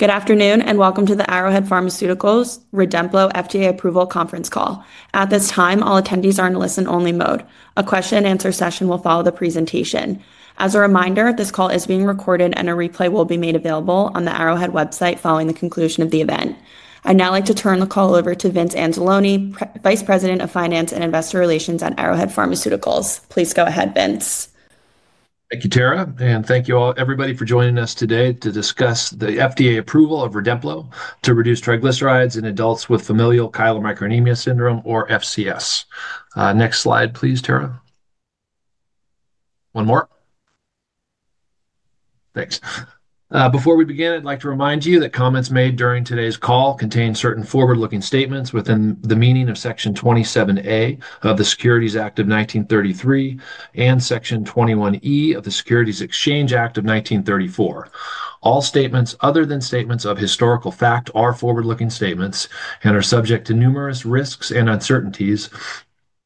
Good afternoon and welcome to the Arrowhead Pharmaceuticals Redemplo FDA Approval conference call. At this time, all attendees are in listen-only mode. A question-and-answer session will follow the presentation. As a reminder, this call is being recorded and a replay will be made available on the Arrowhead website following the conclusion of the event. I'd now like to turn the call over to Vince Anzalone, Vice President of Finance and Investor Relations at Arrowhead Pharmaceuticals. Please go ahead, Vince. Thank you, Tara, and thank you all, everybody, for joining us today to discuss the FDA approval of Redemplo to reduce triglycerides in adults with Familial Chylomicronemia Syndrome, or FCS. Next slide, please, Tara. One more. Thanks. Before we begin, I'd like to remind you that comments made during today's call contain certain forward-looking statements within the meaning of Section 27A of the Securities Act of 1933 and Section 21E of the Securities Exchange Act of 1934. All statements other than statements of historical fact are forward-looking statements and are subject to numerous risks and uncertainties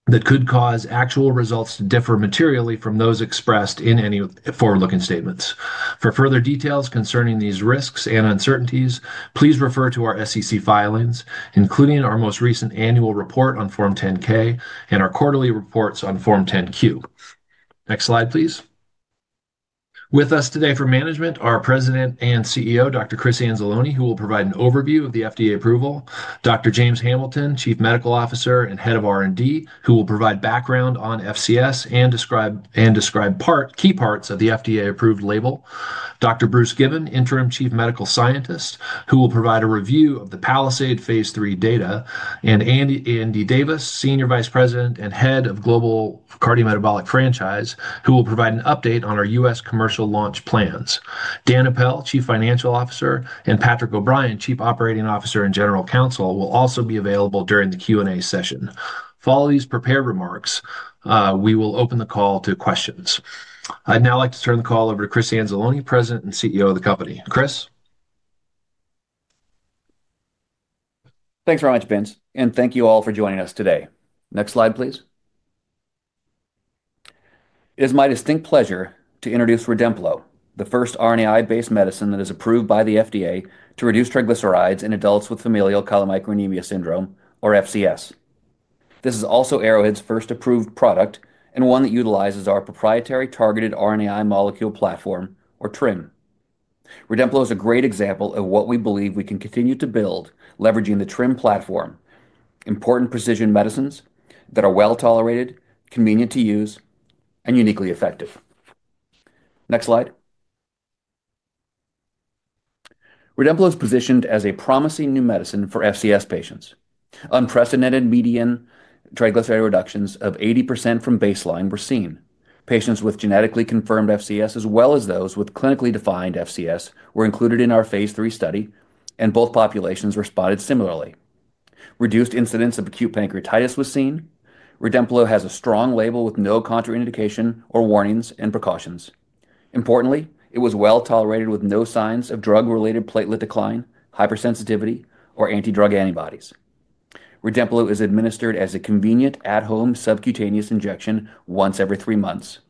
that could cause actual results to differ materially from those expressed in any forward-looking statements. For further details concerning these risks and uncertainties, please refer to our SEC filings, including our most recent annual report on Form 10-K and our quarterly reports on Form 10-Q. Next slide, please. With us today for management are President and CEO, Dr. Chris Anzalone, who will provide an overview of the FDA approval; Dr. James Hamilton, Chief Medical Officer and Head of R&D, who will provide background on FCS and describe key parts of the FDA-approved label; Dr. Bruce Given, Interim Chief Medical Scientist, who will provide a review of the Palisade phase III data; and Andy Davis, Senior Vice President and Head of Global Cardiometabolic Franchise, who will provide an update on our U.S. commercial launch plans. Dan Apel, Chief Financial Officer, and Patrick O'Brien, Chief Operating Officer and General Counsel, will also be available during the Q&A session. Following these prepared remarks, we will open the call to questions. I'd now like to turn the call over to Chris Anzalone, President and CEO of the company. Chris. Thanks very much, Vince, and thank you all for joining us today. Next slide, please. It is my distinct pleasure to introduce Redemplo, the first RNAi-based medicine that is approved by the FDA to reduce triglycerides in adults with Familial Chylomicronemia Syndrome, or FCS. This is also Arrowhead's first approved product and one that utilizes our proprietary targeted RNAi molecule platform, or TRIM. Redemplo is a great example of what we believe we can continue to build, leveraging the TRIM platform: important precision medicines that are well-tolerated, convenient to use, and uniquely effective. Next slide. Redemplo is positioned as a promising new medicine for FCS patients. Unprecedented median triglyceride reductions of 80% from baseline were seen. Patients with genetically confirmed FCS, as well as those with clinically defined FCS, were included in our phase III study, and both populations responded similarly. Reduced incidence of acute pancreatitis was seen. Redemplo has a strong label with no contraindication or warnings and precautions. Importantly, it was well-tolerated with no signs of drug-related platelet decline, hypersensitivity, or anti-drug antibodies. Redemplo is administered as a convenient at-home subcutaneous injection once every three months,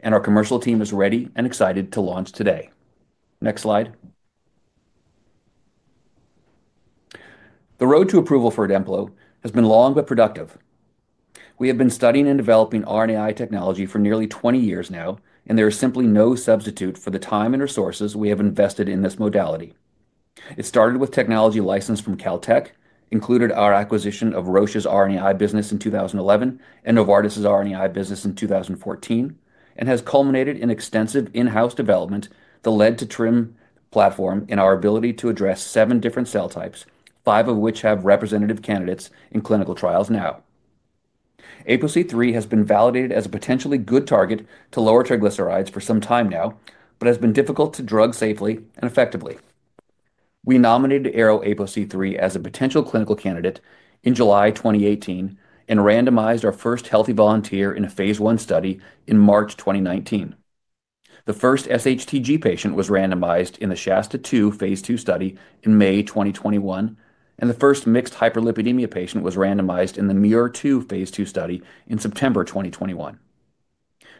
and our commercial team is ready and excited to launch today. Next slide. The road to approval for Redemplo has been long but productive. We have been studying and developing RNAi technology for nearly 20 years now, and there is simply no substitute for the time and resources we have invested in this modality. It started with technology license from Caltech, included our acquisition of Roche's RNAi business in 2011 and Novartis's RNAi business in 2014, and has culminated in extensive in-house development that led to TRIM platform in our ability to address seven different cell types, five of which have representative candidates in clinical trials now. APOC3 has been validated as a potentially good target to lower triglycerides for some time now, but has been difficult to drug safely and effectively. We nominated Arrow APOC3 as a potential clinical candidate in July 2018 and randomized our first healthy volunteer in a phase I study in March 2019. The first SHTG patient was randomized in the SHASTA-2 phase II study in May 2021, and the first mixed hyperlipidemia patient was randomized in the MURE II phase II study in September 2021.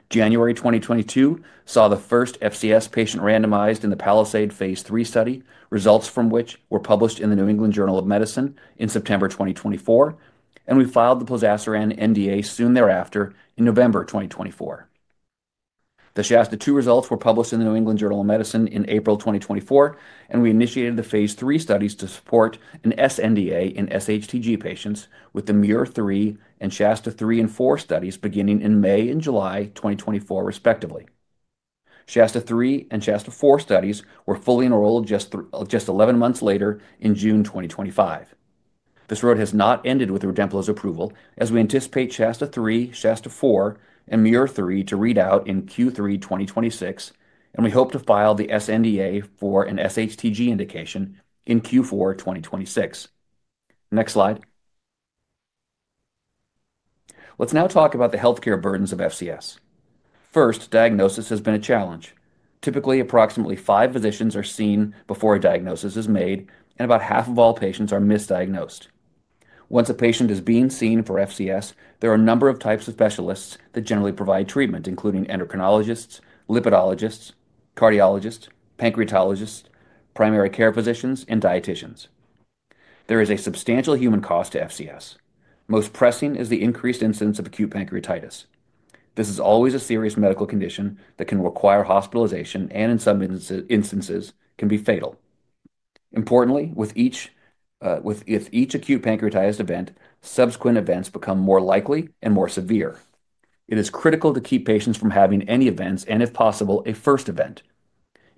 January 2022 saw the first FCS patient randomized in the Palisade phase III study, results from which were published in the New England Journal of Medicine in September 2024, and we filed the plozasiran NDA soon thereafter in November 2024. The SHASTA-2 results were published in the New England Journal of Medicine in April 2024, and we initiated the phase III studies to support an SNDA in SHTG patients with the MUIR-3 and SHASTA-3 and 4 studies beginning in May and July 2024, respectively. SHASTA-3 and SHASTA-4 studies were fully enrolled just 11 months later in June 2025. This road has not ended with Redemplo's approval, as we anticipate SHASTA-3, SHASTA-4, and MUIR-3 to read out in Q3 2026, and we hope to file the SNDA for an SHTG indication in Q4 2026. Next slide. Let's now talk about the healthcare burdens of FCS. First, diagnosis has been a challenge. Typically, approximately five physicians are seen before a diagnosis is made, and about half of all patients are misdiagnosed. Once a patient is being seen for FCS, there are a number of types of specialists that generally provide treatment, including endocrinologists, lipidologists, cardiologists, pancreatologists, primary care physicians, and dieticians. There is a substantial human cost to FCS. Most pressing is the increased incidence of acute pancreatitis. This is always a serious medical condition that can require hospitalization and, in some instances, can be fatal. Importantly, with each acute pancreatitis event, subsequent events become more likely and more severe. It is critical to keep patients from having any events and, if possible, a first event.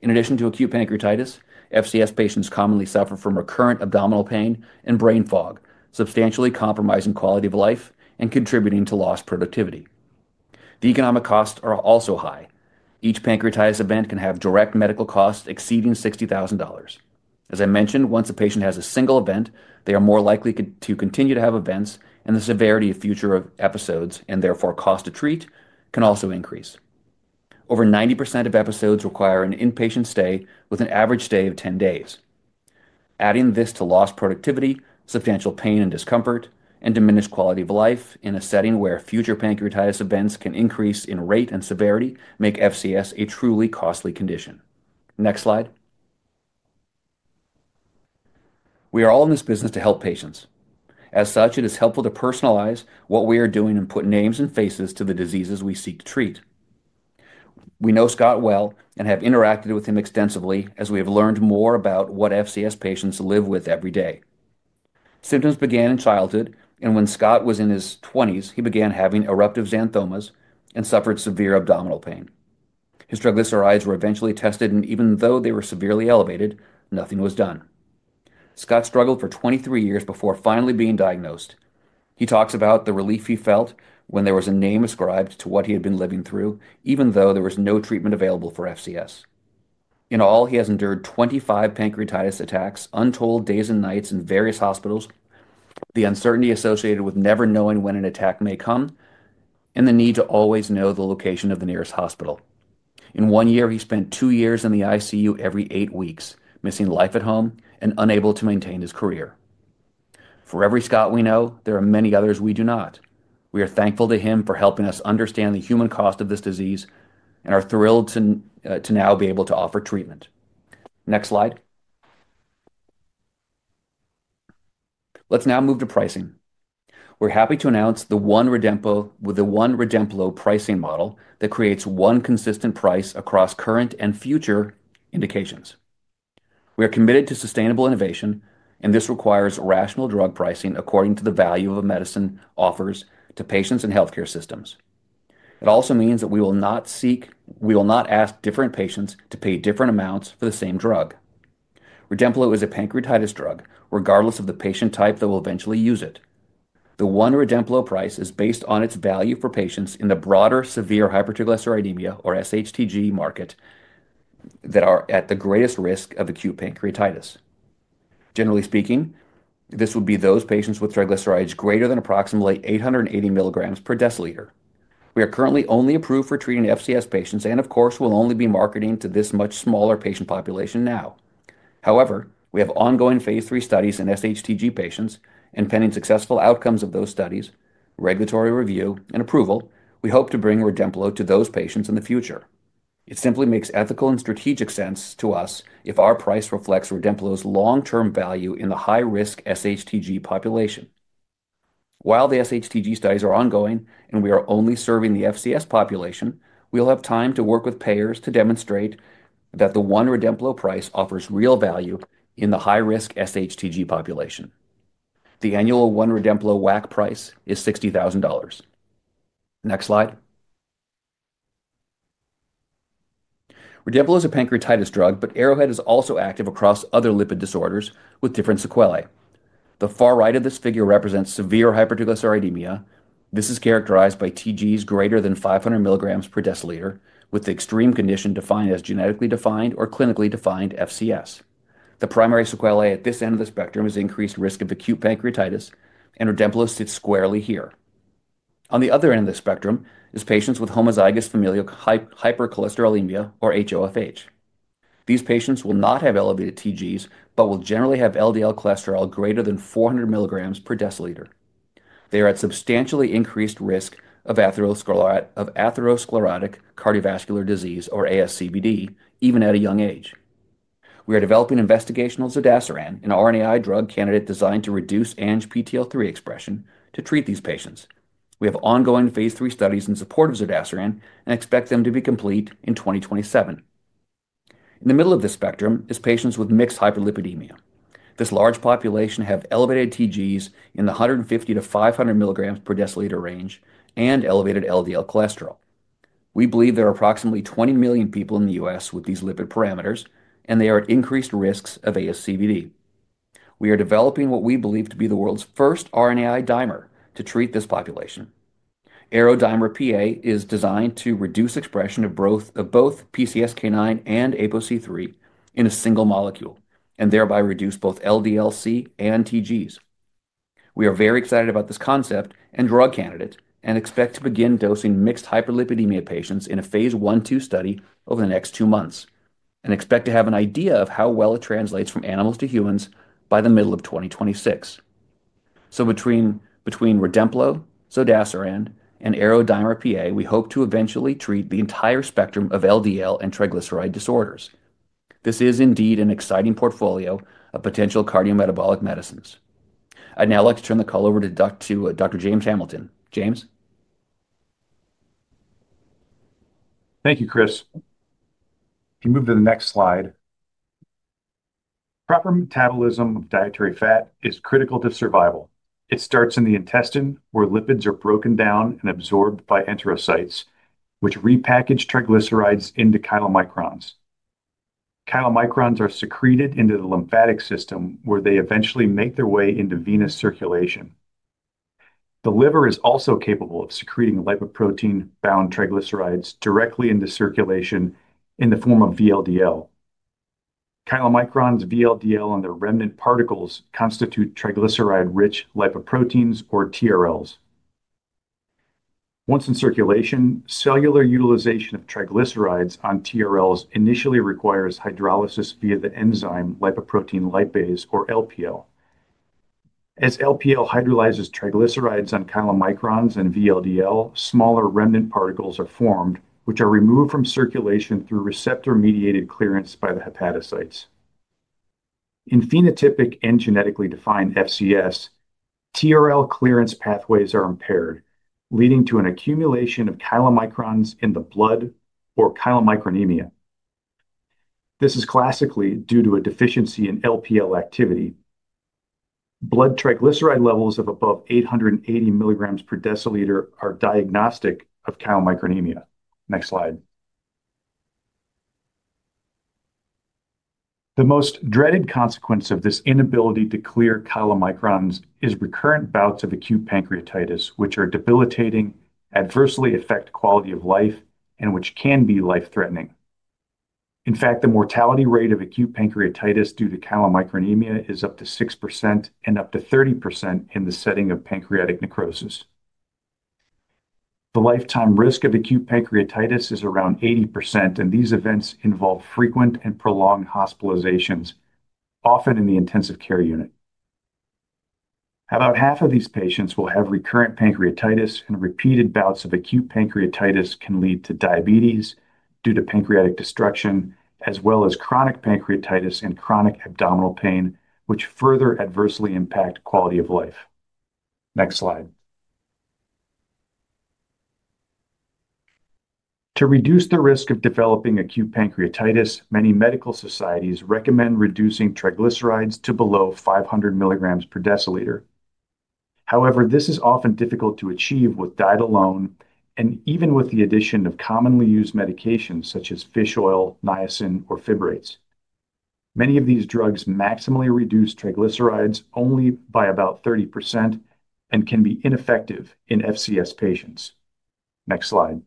In addition to acute pancreatitis, FCS patients commonly suffer from recurrent abdominal pain and brain fog, substantially compromising quality of life and contributing to lost productivity. The economic costs are also high. Each pancreatitis event can have direct medical costs exceeding $60,000. As I mentioned, once a patient has a single event, they are more likely to continue to have events, and the severity of future episodes and therefore cost to treat can also increase. Over 90% of episodes require an inpatient stay with an average stay of 10 days. Adding this to lost productivity, substantial pain and discomfort, and diminished quality of life in a setting where future pancreatitis events can increase in rate and severity make FCS a truly costly condition. Next slide. We are all in this business to help patients. As such, it is helpful to personalize what we are doing and put names and faces to the diseases we seek to treat. We know Scott well and have interacted with him extensively as we have learned more about what FCS patients live with every day. Symptoms began in childhood, and when Scott was in his 20s, he began having eruptive xanthomas and suffered severe abdominal pain. His triglycerides were eventually tested, and even though they were severely elevated, nothing was done. Scott struggled for 23 years before finally being diagnosed. He talks about the relief he felt when there was a name ascribed to what he had been living through, even though there was no treatment available for FCS. In all, he has endured 25 pancreatitis attacks, untold days and nights in various hospitals, the uncertainty associated with never knowing when an attack may come, and the need to always know the location of the nearest hospital. In one year, he spent two years in the ICU every eight weeks, missing life at home and unable to maintain his career. For every Scott we know, there are many others we do not. We are thankful to him for helping us understand the human cost of this disease and are thrilled to now be able to offer treatment. Next slide. Let's now move to pricing. We're happy to announce the one Redemplo pricing model that creates one consistent price across current and future indications. We are committed to sustainable innovation, and this requires rational drug pricing according to the value of a medicine offered to patients and healthcare systems. It also means that we will not ask different patients to pay different amounts for the same drug. Redemplo is a pancreatitis drug, regardless of the patient type that will eventually use it. The one Redemplo price is based on its value for patients in the broader severe hypertriglyceridemia, or SHTG, market that are at the greatest risk of acute pancreatitis. Generally speaking, this would be those patients with triglycerides greater than approximately 880 mg per deciliter. We are currently only approved for treating FCS patients and, of course, will only be marketing to this much smaller patient population now. However, we have ongoing phase III studies in SHTG patients, and pending successful outcomes of those studies, regulatory review, and approval, we hope to bring Redemplo to those patients in the future. It simply makes ethical and strategic sense to us if our price reflects Redemplo's long-term value in the high-risk SHTG population. While the SHTG studies are ongoing and we are only serving the FCS population, we'll have time to work with payers to demonstrate that the one Redemplo price offers real value in the high-risk SHTG population. The annual one Redemplo WAC price is $60,000. Next slide. Redemplo is a pancreatitis drug, but Arrowhead is also active across other lipid disorders with different sequelae. The far right of this figure represents severe hypertriglyceridemia. This is characterized by TGs greater than 500 mg per deciliter, with the extreme condition defined as genetically defined or clinically defined FCS. The primary sequelae at this end of the spectrum is increased risk of acute pancreatitis, and Redemplo sits squarely here. On the other end of the spectrum is patients with homozygous familial hypercholesterolemia, or HoFH. These patients will not have elevated TGs but will generally have LDL cholesterol greater than 400 mg per deciliter. They are at substantially increased risk of atherosclerotic cardiovascular disease, or ASCVD, even at a young age. We are developing investigational Zodasiran, an RNAi drug candidate designed to reduce ANGPTL3 expression, to treat these patients. We have ongoing phase III studies in support of Zodasiran and expect them to be complete in 2027. In the middle of this spectrum is patients with mixed hyperlipidemia. This large population has elevated TGs in the 150-500 mg per deciliter range and elevated LDL cholesterol. We believe there are approximately 20 million people in the U.S. with these lipid parameters, and they are at increased risks of ASCVD. We are developing what we believe to be the world's first RNAi dimer to treat this population. Arrow Dimer PA is designed to reduce expression of both PCSK9 and APOC3 in a single molecule and thereby reduce both LDLc and TGs. We are very excited about this concept and drug candidate and expect to begin dosing mixed hyperlipidemia patients in a phase I-II study over the next two months and expect to have an idea of how well it translates from animals to humans by the middle of 2026. Between Redemplo, Zodasiran, and Arrow Dimer PA, we hope to eventually treat the entire spectrum of LDL and triglyceride disorders. This is indeed an exciting portfolio of potential cardiometabolic medicines. I'd now like to turn the call over to Dr. James Hamilton. James? Thank you, Chris. If you move to the next slide. Proper metabolism of dietary fat is critical to survival. It starts in the intestine, where lipids are broken down and absorbed by enterocytes, which repackage triglycerides into chylomicrons. Chylomicrons are secreted into the lymphatic system, where they eventually make their way into venous circulation. The liver is also capable of secreting lipoprotein-bound triglycerides directly into circulation in the form of VLDL. Chylomicrons, VLDL, and their remnant particles constitute triglyceride-rich lipoproteins, or TRLs. Once in circulation, cellular utilization of triglycerides on TRLs initially requires hydrolysis via the enzyme lipoprotein lipase, or LPL. As LPL hydrolyzes triglycerides on chylomicrons and VLDL, smaller remnant particles are formed, which are removed from circulation through receptor-mediated clearance by the hepatocytes. In phenotypic and genetically defined FCS, TRL clearance pathways are impaired, leading to an accumulation of chylomicrons in the blood, or chylomicronemia. This is classically due to a deficiency in LPL activity. Blood triglyceride levels of above 880 mg per deciliter are diagnostic of chylomicronemia. Next slide. The most dreaded consequence of this inability to clear chylomicrons is recurrent bouts of acute pancreatitis, which are debilitating, adversely affect quality of life, and which can be life-threatening. In fact, the mortality rate of acute pancreatitis due to chylomicronemia is up to 6% and up to 30% in the setting of pancreatic necrosis. The lifetime risk of acute pancreatitis is around 80%, and these events involve frequent and prolonged hospitalizations, often in the intensive care unit. About half of these patients will have recurrent pancreatitis, and repeated bouts of acute pancreatitis can lead to diabetes due to pancreatic destruction, as well as chronic pancreatitis and chronic abdominal pain, which further adversely impact quality of life. Next slide. To reduce the risk of developing acute pancreatitis, many medical societies recommend reducing triglycerides to below 500 mg per deciliter. However, this is often difficult to achieve with diet alone and even with the addition of commonly used medications such as fish oil, niacin, or fibrates. Many of these drugs maximally reduce triglycerides only by about 30% and can be ineffective in FCS patients. Next slide.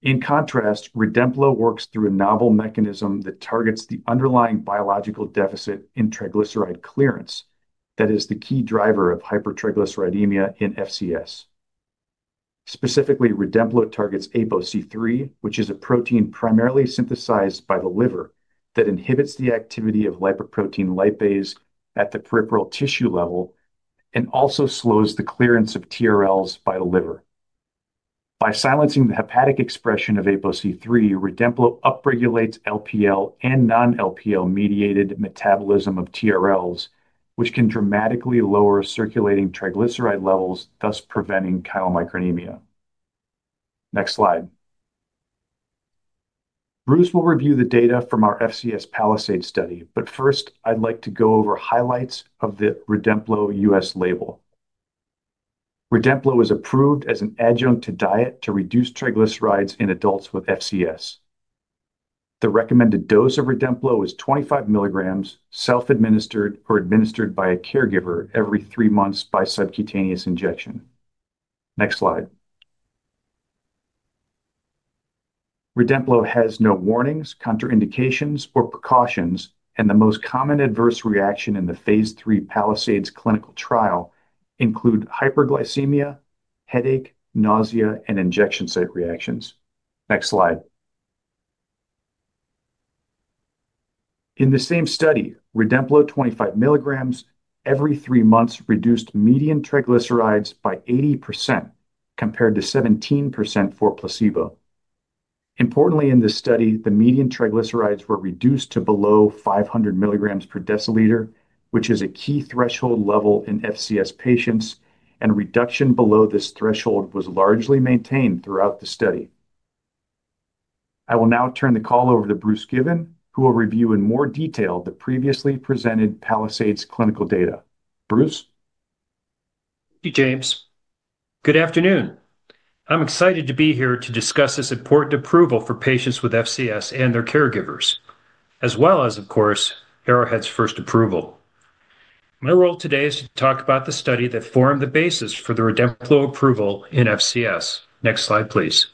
In contrast, Redemplo works through a novel mechanism that targets the underlying biological deficit in triglyceride clearance that is the key driver of hypertriglyceridemia in FCS. Specifically, Redemplo targets APOC3, which is a protein primarily synthesized by the liver that inhibits the activity of lipoprotein lipase at the peripheral tissue level and also slows the clearance of TRLs by the liver. By silencing the hepatic expression of APOC3, Redemplo upregulates LPL and non-LPL-mediated metabolism of TRLs, which can dramatically lower circulating triglyceride levels, thus preventing chylomicronemia. Next slide. Bruce will review the data from our FCS Palisade study, but first, I'd like to go over highlights of the Redemplo U.S. label. Redemplo is approved as an adjunct to diet to reduce triglycerides in adults with FCS. The recommended dose of Redemplo is 25 mg, self-administered or administered by a caregiver every three months by subcutaneous injection. Next slide. Redemplo has no warnings, contraindications, or precautions, and the most common adverse reaction in the phase III Palisade clinical trial includes hyperglycemia, headache, nausea, and injection site reactions. Next slide. In the same study, Redemplo 25 mg every three months reduced median triglycerides by 80% compared to 17% for placebo. Importantly, in this study, the median triglycerides were reduced to below 500 mg per deciliter, which is a key threshold level in FCS patients, and reduction below this threshold was largely maintained throughout the study. I will now turn the call over to Bruce Given, who will review in more detail the previously presented Palisade clinical data. Bruce? Thank you, James. Good afternoon. I'm excited to be here to discuss this important approval for patients with FCS and their caregivers, as well as, of course, Arrowhead's first approval. My role today is to talk about the study that formed the basis for the Redemplo approval in FCS. Next slide, please.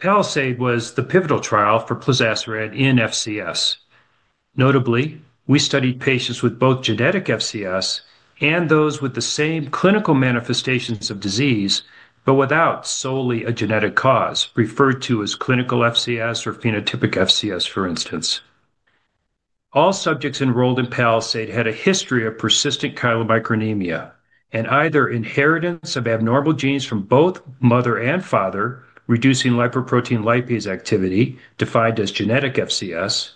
Palisade was the pivotal trial for plozasiran in FCS. Notably, we studied patients with both genetic FCS and those with the same clinical manifestations of disease, but without solely a genetic cause, referred to as clinical FCS or phenotypic FCS, for instance. All subjects enrolled in Palisade had a history of persistent chylomicronemia and either inheritance of abnormal genes from both mother and father, reducing lipoprotein lipase activity, defined as genetic FCS,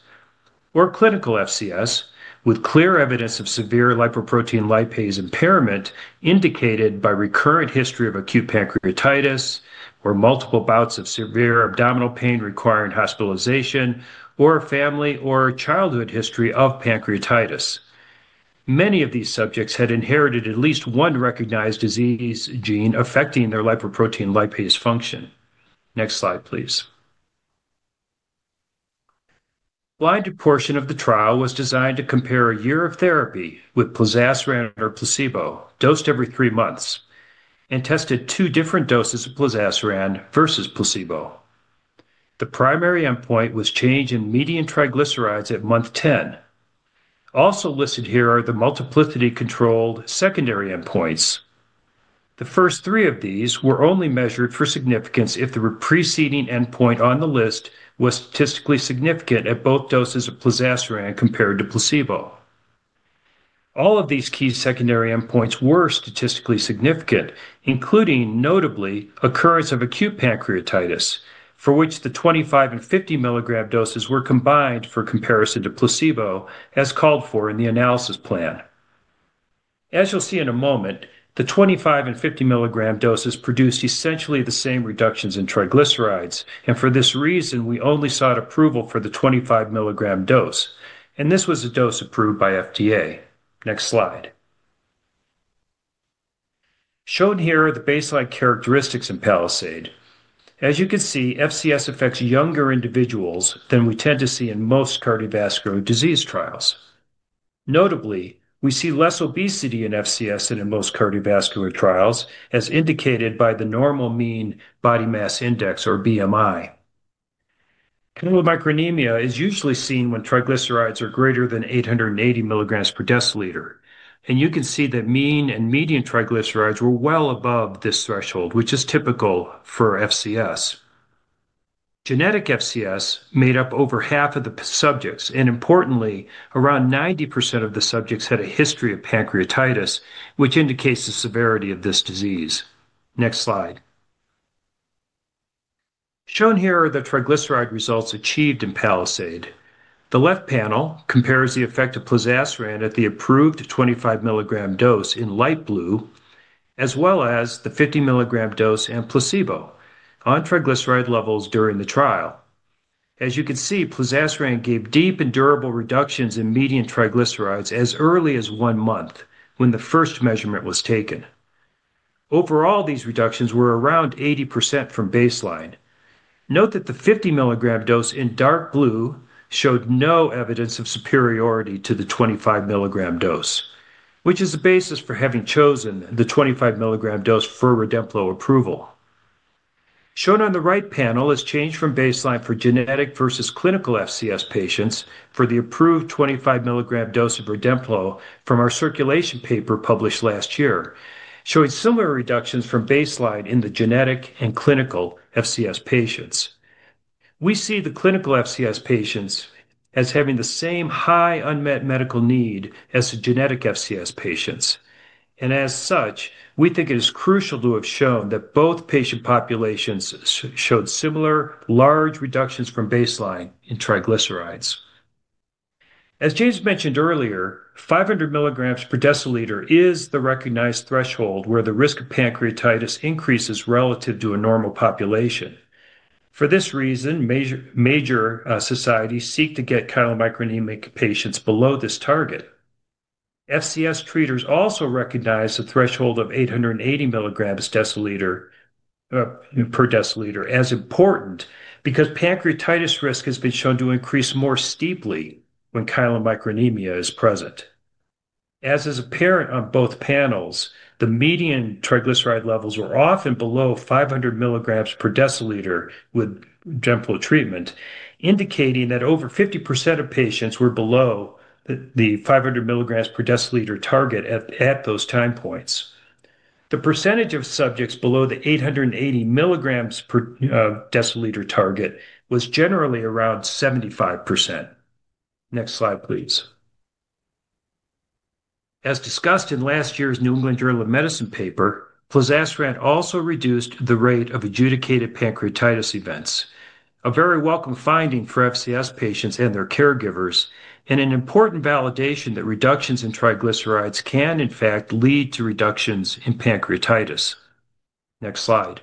or clinical FCS, with clear evidence of severe lipoprotein lipase impairment indicated by recurrent history of acute pancreatitis or multiple bouts of severe abdominal pain requiring hospitalization or family or childhood history of pancreatitis. Many of these subjects had inherited at least one recognized disease gene affecting their lipoprotein lipase function. Next slide, please. A wide portion of the trial was designed to compare a year of therapy with plozasiran or placebo, dosed every three months, and tested two different doses of plozasiran versus placebo. The primary endpoint was change in median triglycerides at month 10. Also listed here are the multiplicity-controlled secondary endpoints. The first three of these were only measured for significance if the preceding endpoint on the list was statistically significant at both doses of plozasiran compared to placebo. All of these key secondary endpoints were statistically significant, including, notably, occurrence of acute pancreatitis, for which the 25 and 50 mg doses were combined for comparison to placebo, as called for in the analysis plan. As you'll see in a moment, the 25 and 50 mg doses produced essentially the same reductions in triglycerides, and for this reason, we only sought approval for the 25 mg dose, and this was a dose approved by FDA. Next slide. Shown here are the baseline characteristics in Palisade. As you can see, FCS affects younger individuals than we tend to see in most cardiovascular disease trials. Notably, we see less obesity in FCS than in most cardiovascular trials, as indicated by the normal mean body mass index, or BMI. Chylomicronemia is usually seen when triglycerides are greater than 880 mg per deciliter, and you can see that mean and median triglycerides were well above this threshold, which is typical for FCS. Genetic FCS made up over half of the subjects, and importantly, around 90% of the subjects had a history of pancreatitis, which indicates the severity of this disease. Next slide. Shown here are the triglyceride results achieved in Palisade. The left panel compares the effect of plozasiran at the approved 25 mg dose in light blue, as well as the 50 mg dose and placebo on triglyceride levels during the trial. As you can see, plozasiran gave deep and durable reductions in median triglycerides as early as one month when the first measurement was taken. Overall, these reductions were around 80% from baseline. Note that the 50 mg dose in dark blue showed no evidence of superiority to the 25 mg dose, which is the basis for having chosen the 25 mg dose for Redemplo approval. Shown on the right panel is change from baseline for genetic versus clinical FCS patients for the approved 25 mg dose of Redemplo from our Circulation paper published last year, showing similar reductions from baseline in the genetic and clinical FCS patients. We see the clinical FCS patients as having the same high unmet medical need as the genetic FCS patients, and as such, we think it is crucial to have shown that both patient populations showed similar large reductions from baseline in triglycerides. As James mentioned earlier, 500 mg per deciliter is the recognized threshold where the risk of pancreatitis increases relative to a normal population. For this reason, major societies seek to get chylomicronemic patients below this target. FCS treaters also recognize the threshold of 880 mg per deciliter as important because pancreatitis risk has been shown to increase more steeply when chylomicronemia is present. As is apparent on both panels, the median triglyceride levels were often below 500 mg per deciliter with Redemplo treatment, indicating that over 50% of patients were below the 500 mg per deciliter target at those time points. The percentage of subjects below the 880 mg per deciliter target was generally around 75%. Next slide, please. As discussed in last year's New England Journal of Medicine paper, plozasiran also reduced the rate of adjudicated pancreatitis events, a very welcome finding for FCS patients and their caregivers, and an important validation that reductions in triglycerides can, in fact, lead to reductions in pancreatitis. Next slide.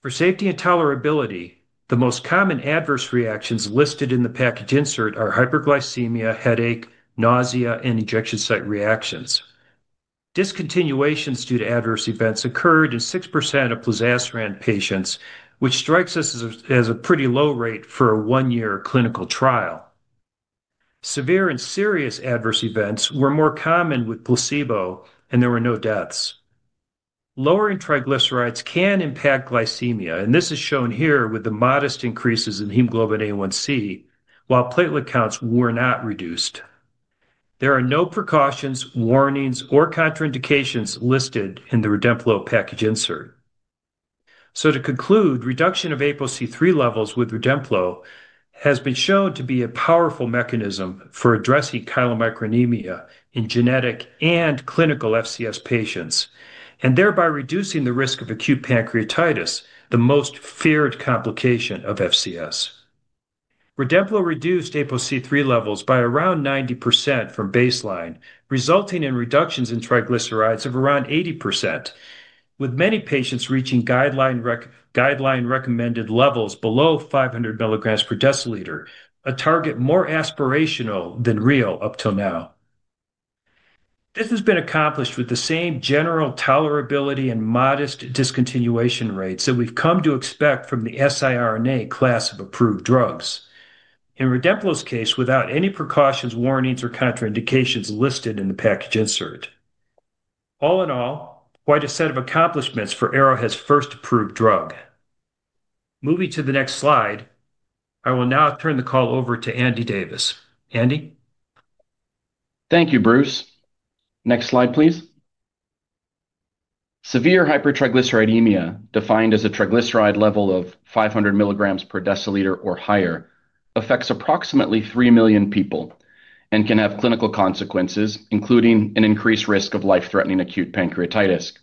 For safety and tolerability, the most common adverse reactions listed in the package insert are hyperglycemia, headache, nausea, and injection site reactions. Discontinuations due to adverse events occurred in 6% of plozasiran patients, which strikes us as a pretty low rate for a one-year clinical trial. Severe and serious adverse events were more common with placebo, and there were no deaths. Lowering triglycerides can impact glycemia, and this is shown here with the modest increases in hemoglobin A1C, while platelet counts were not reduced. There are no precautions, warnings, or contraindications listed in the Redemplo package insert. To conclude, reduction of APOC3 levels with Redemplo has been shown to be a powerful mechanism for addressing chylomicronemia in genetic and clinical FCS patients and thereby reducing the risk of acute pancreatitis, the most feared complication of FCS. Redemplo reduced APOC3 levels by around 90% from baseline, resulting in reductions in triglycerides of around 80%, with many patients reaching guideline-recommended levels below 500 mg per deciliter, a target more aspirational than real up till now. This has been accomplished with the same general tolerability and modest discontinuation rates that we've come to expect from the siRNA class of approved drugs in Redemplo's case, without any precautions, warnings, or contraindications listed in the package insert. All in all, quite a set of accomplishments for Arrowhead's first approved drug. Moving to the next slide, I will now turn the call over to Andy Davis. Andy? Thank you, Bruce. Next slide, please. Severe hypertriglyceridemia, defined as a triglyceride level of 500 mg per deciliter or higher, affects approximately 3 million people and can have clinical consequences, including an increased risk of life-threatening acute pancreatitis.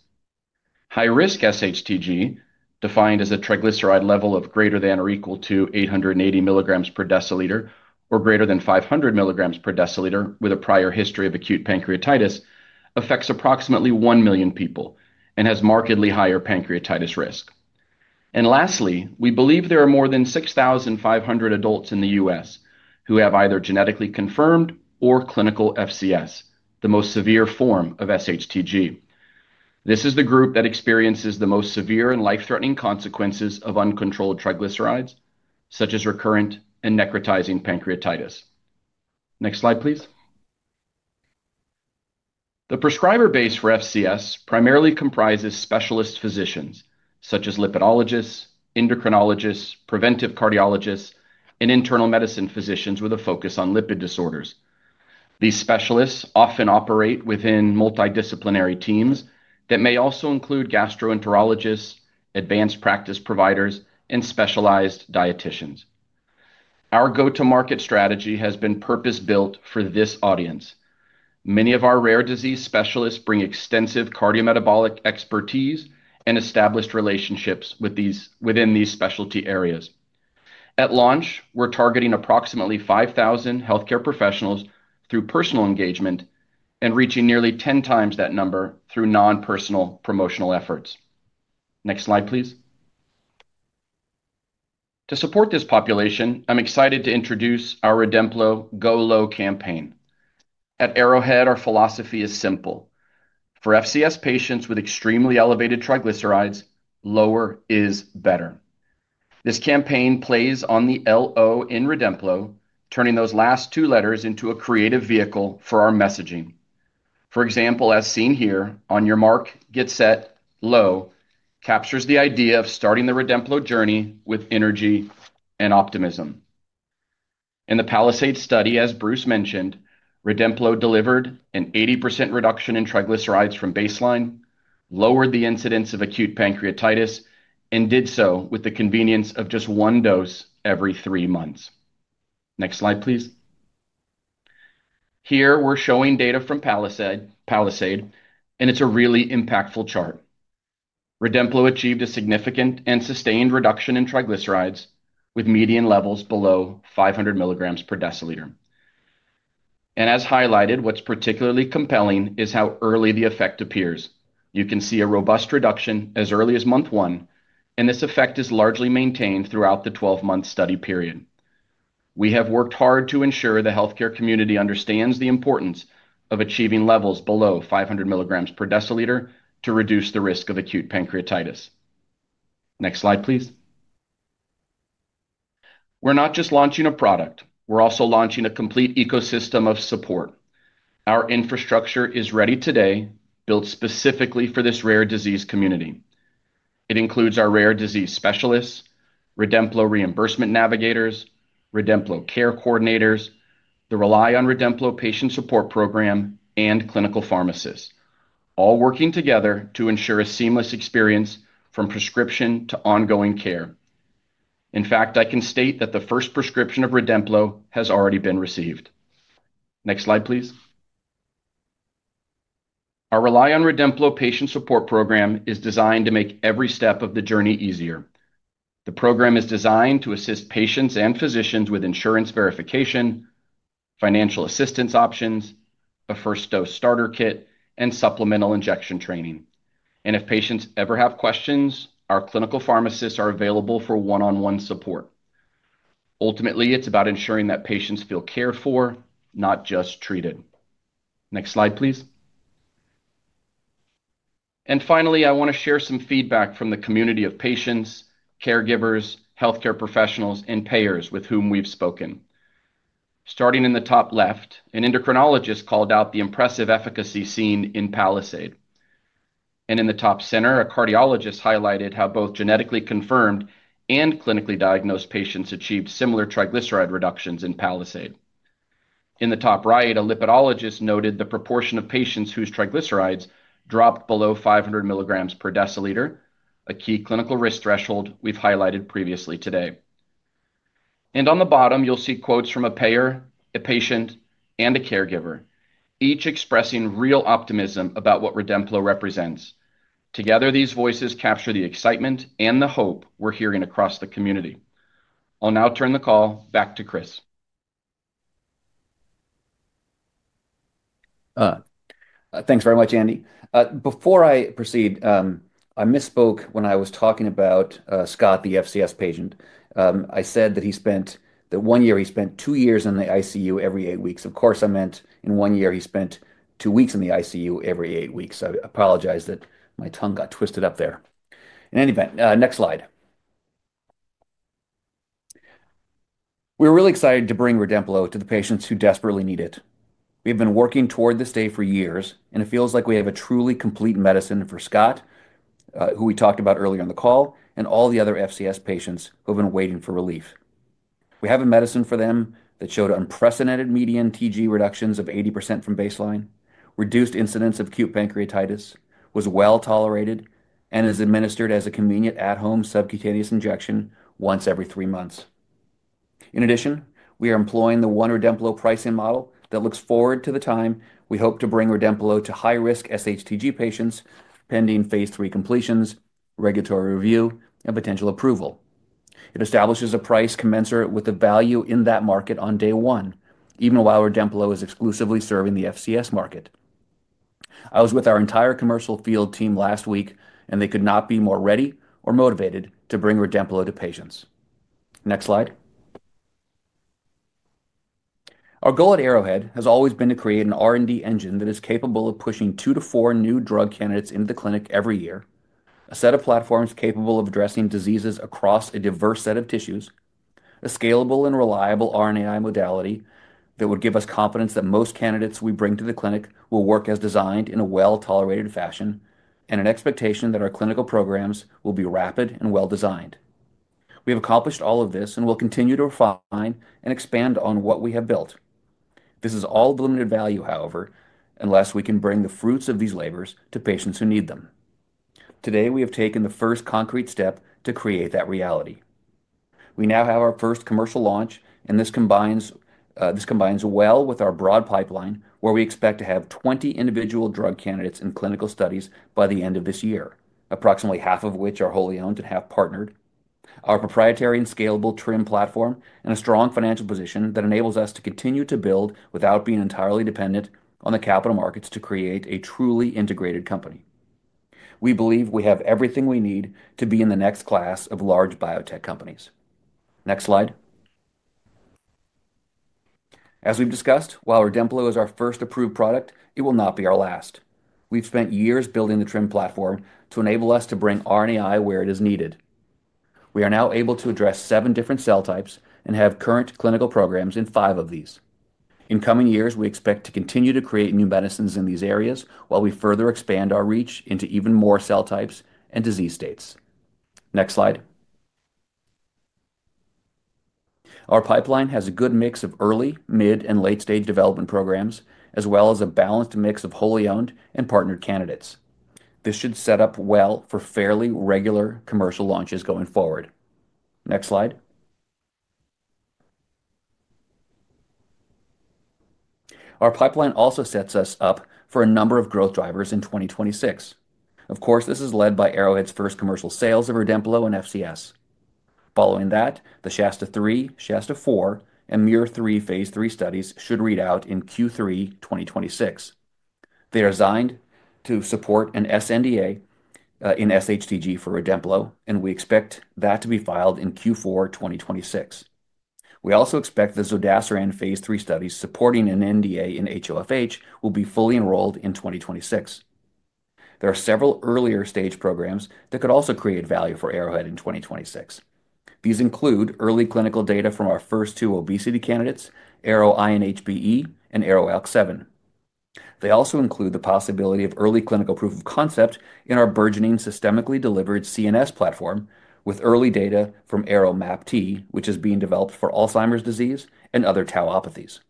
High-risk SHTG, defined as a triglyceride level of greater than or equal to 880 mg per deciliter or greater than 500 mg per deciliter with a prior history of acute pancreatitis, affects approximately 1 million people and has markedly higher pancreatitis risk. Lastly, we believe there are more than 6,500 adults in the U.S. who have either genetically confirmed or clinical FCS, the most severe form of SHTG. This is the group that experiences the most severe and life-threatening consequences of uncontrolled triglycerides, such as recurrent and necrotizing pancreatitis. Next slide, please. The prescriber base for FCS primarily comprises specialist physicians, such as lipidologists, endocrinologists, preventive cardiologists, and internal medicine physicians with a focus on lipid disorders. These specialists often operate within multidisciplinary teams that may also include gastroenterologists, advanced practice providers, and specialized dieticians. Our go-to-market strategy has been purpose-built for this audience. Many of our rare disease specialists bring extensive cardiometabolic expertise and established relationships within these specialty areas. At launch, we are targeting approximately 5,000 healthcare professionals through personal engagement and reaching nearly 10 times that number through non-personal promotional efforts. Next slide, please. To support this population, I am excited to introduce our Redemplo Go Low campaign. At Arrowhead, our philosophy is simple. For FCS patients with extremely elevated triglycerides, lower is better. This campaign plays on the L-O in Redemplo, turning those last two letters into a creative vehicle for our messaging. For example, as seen here, on your mark, get set, low, captures the idea of starting the Redemplo journey with energy and optimism. In the Palisade study, as Bruce mentioned, Redemplo delivered an 80% reduction in triglycerides from baseline, lowered the incidence of acute pancreatitis, and did so with the convenience of just one dose every three months. Next slide, please. Here, we're showing data from Palisade, and it's a really impactful chart. Redemplo achieved a significant and sustained reduction in triglycerides with median levels below 500 mg per deciliter. As highlighted, what's particularly compelling is how early the effect appears. You can see a robust reduction as early as month one, and this effect is largely maintained throughout the 12-month study period. We have worked hard to ensure the healthcare community understands the importance of achieving levels below 500 mg per deciliter to reduce the risk of acute pancreatitis. Next slide, please. We're not just launching a product. We're also launching a complete ecosystem of support. Our infrastructure is ready today, built specifically for this rare disease community. It includes our rare disease specialists, Redemplo reimbursement navigators, Redemplo care coordinators, the Rely on Redemplo patient support program, and clinical pharmacists, all working together to ensure a seamless experience from prescription to ongoing care. In fact, I can state that the first prescription of Redemplo has already been received. Next slide, please. Our Rely on Redemplo patient support program is designed to make every step of the journey easier. The program is designed to assist patients and physicians with insurance verification, financial assistance options, a first-dose starter kit, and supplemental injection training. If patients ever have questions, our clinical pharmacists are available for one-on-one support. Ultimately, it's about ensuring that patients feel cared for, not just treated. Next slide, please. Finally, I want to share some feedback from the community of patients, caregivers, healthcare professionals, and payers with whom we've spoken. Starting in the top left, an endocrinologist called out the impressive efficacy seen in Palisade. In the top center, a cardiologist highlighted how both genetically confirmed and clinically diagnosed patients achieved similar triglyceride reductions in Palisade. In the top right, a lipidologist noted the proportion of patients whose triglycerides dropped below 500 mg per deciliter, a key clinical risk threshold we have highlighted previously today. On the bottom, you will see quotes from a payer, a patient, and a caregiver, each expressing real optimism about what Redemplo represents. Together, these voices capture the excitement and the hope we are hearing across the community. I will now turn the call back to Chris. Thanks very much, Andy. Before I proceed, I misspoke when I was talking about Scott, the FCS patient. I said that he spent the one year he spent two years in the ICU every eight weeks. Of course, I meant in one year he spent two weeks in the ICU every eight weeks. I apologize that my tongue got twisted up there. In any event, next slide. We are really excited to bring Redemplo to the patients who desperately need it. We have been working toward this day for years, and it feels like we have a truly complete medicine for Scott, who we talked about earlier in the call, and all the other FCS patients who have been waiting for relief. We have a medicine for them that showed unprecedented median TG reductions of 80% from baseline, reduced incidence of acute pancreatitis, was well tolerated, and is administered as a convenient at-home subcutaneous injection once every three months. In addition, we are employing the one Redemplo pricing model that looks forward to the time we hope to bring Redemplo to high-risk SHTG patients pending phase three completions, regulatory review, and potential approval. It establishes a price commensurate with the value in that market on day one, even while Redemplo is exclusively serving the FCS market. I was with our entire commercial field team last week, and they could not be more ready or motivated to bring Redemplo to patients. Next slide. Our goal at Arrowhead has always been to create an R&D engine that is capable of pushing two to four new drug candidates into the clinic every year, a set of platforms capable of addressing diseases across a diverse set of tissues, a scalable and reliable RNAi modality that would give us confidence that most candidates we bring to the clinic will work as designed in a well-tolerated fashion, and an expectation that our clinical programs will be rapid and well-designed. We have accomplished all of this and will continue to refine and expand on what we have built. This is all of limited value, however, unless we can bring the fruits of these labors to patients who need them. Today, we have taken the first concrete step to create that reality. We now have our first commercial launch, and this combines well with our broad pipeline where we expect to have 20 individual drug candidates in clinical studies by the end of this year, approximately half of which are wholly owned and half partnered, our proprietary and scalable TRIM platform, and a strong financial position that enables us to continue to build without being entirely dependent on the capital markets to create a truly integrated company. We believe we have everything we need to be in the next class of large biotech companies. Next slide. As we've discussed, while Redemplo is our first approved product, it will not be our last. We've spent years building the TRIM platform to enable us to bring RNAi where it is needed. We are now able to address seven different cell types and have current clinical programs in five of these. In coming years, we expect to continue to create new medicines in these areas while we further expand our reach into even more cell types and disease states. Next slide. Our pipeline has a good mix of early, mid, and late-stage development programs, as well as a balanced mix of wholly owned and partnered candidates. This should set up well for fairly regular commercial launches going forward. Next slide. Our pipeline also sets us up for a number of growth drivers in 2026. Of course, this is led by Arrowhead's first commercial sales of Redemplo in FCS. Following that, the SHASTA-3, SHASTA-4, and MUIR-3 phase III studies should read out in Q3 2026. They are designed to support an SNDA in SHTG for Redemplo, and we expect that to be filed in Q4 2026. We also expect the Zodasiran phase three studies supporting an NDA in HoFH will be fully enrolled in 2026. There are several earlier stage programs that could also create value for Arrowhead in 2026. These include early clinical data from our first two obesity candidates, ARO-INHBE and ARO-ALK7. They also include the possibility of early clinical proof of concept in our burgeoning systemically delivered CNS platform with early data from ARO-MAPT, which is being developed for Alzheimer's disease and other tauopathies.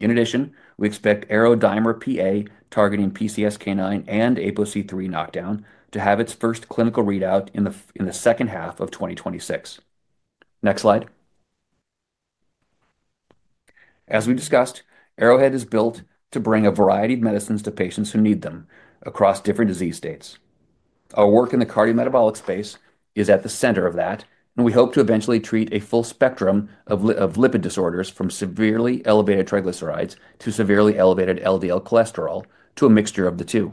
In addition, we expect Arrow Dimer PA targeting PCSK9 and APOC3 knockdown to have its first clinical readout in the second half of 2026. Next slide. As we discussed, Arrowhead is built to bring a variety of medicines to patients who need them across different disease states. Our work in the cardiometabolic space is at the center of that, and we hope to eventually treat a full spectrum of lipid disorders from severely elevated triglycerides to severely elevated LDL cholesterol to a mixture of the two.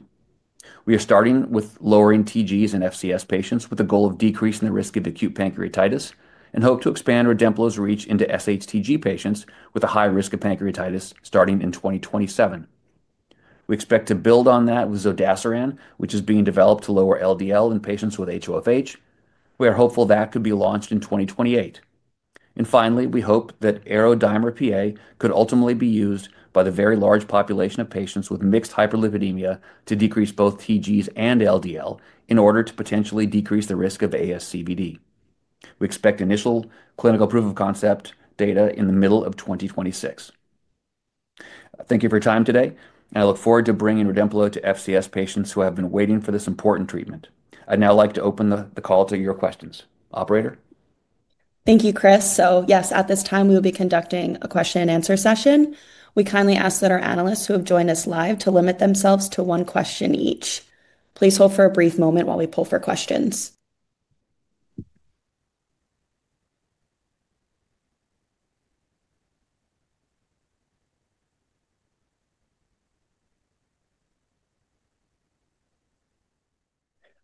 We are starting with lowering TGs in FCS patients with the goal of decreasing the risk of acute pancreatitis and hope to expand Redemplo's reach into SHTG patients with a high risk of pancreatitis starting in 2027. We expect to build on that with Zodasiran, which is being developed to lower LDL in patients with HoFH. We are hopeful that could be launched in 2028. Finally, we hope that Arrow Dimer PA could ultimately be used by the very large population of patients with mixed hyperlipidemia to decrease both TGs and LDL in order to potentially decrease the risk of ASCVD. We expect initial clinical proof of concept data in the middle of 2026. Thank you for your time today, and I look forward to bringing Redemplo to FCS patients who have been waiting for this important treatment. I'd now like to open the call to your questions. Operator. Thank you, Chris. Yes, at this time, we will be conducting a question-and-answer session. We kindly ask that our analysts who have joined us live limit themselves to one question each. Please hold for a brief moment while we pull for questions.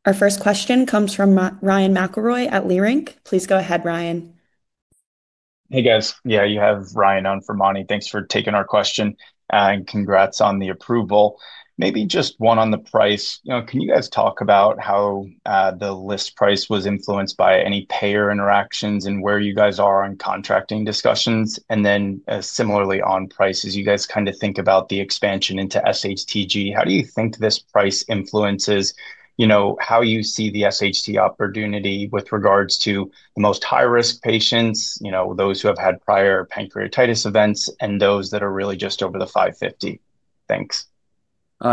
Our first question comes from Ryan McElroy at Leerink. Please go ahead, Ryan. Hey, guys. Yeah, you have Ryan on for Moni. Thanks for taking our question and congrats on the approval. Maybe just one on the price. Can you guys talk about how the list price was influenced by any payer interactions and where you guys are on contracting discussions? And then similarly on prices, you guys kind of think about the expansion into SHTG. How do you think this price influences how you see the SHT opportunity with regards to the most high-risk patients, those who have had prior pancreatitis events, and those that are really just over the 550? Thanks.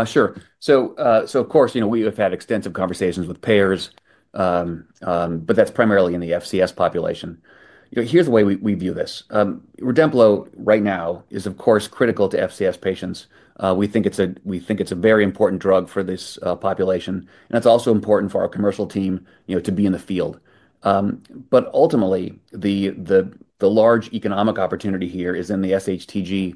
Sure. Of course, we have had extensive conversations with payers, but that's primarily in the FCS population. Here's the way we view this. Redemplo right now is, of course, critical to FCS patients. We think it's a very important drug for this population, and it's also important for our commercial team to be in the field. Ultimately, the large economic opportunity here is in the SHTG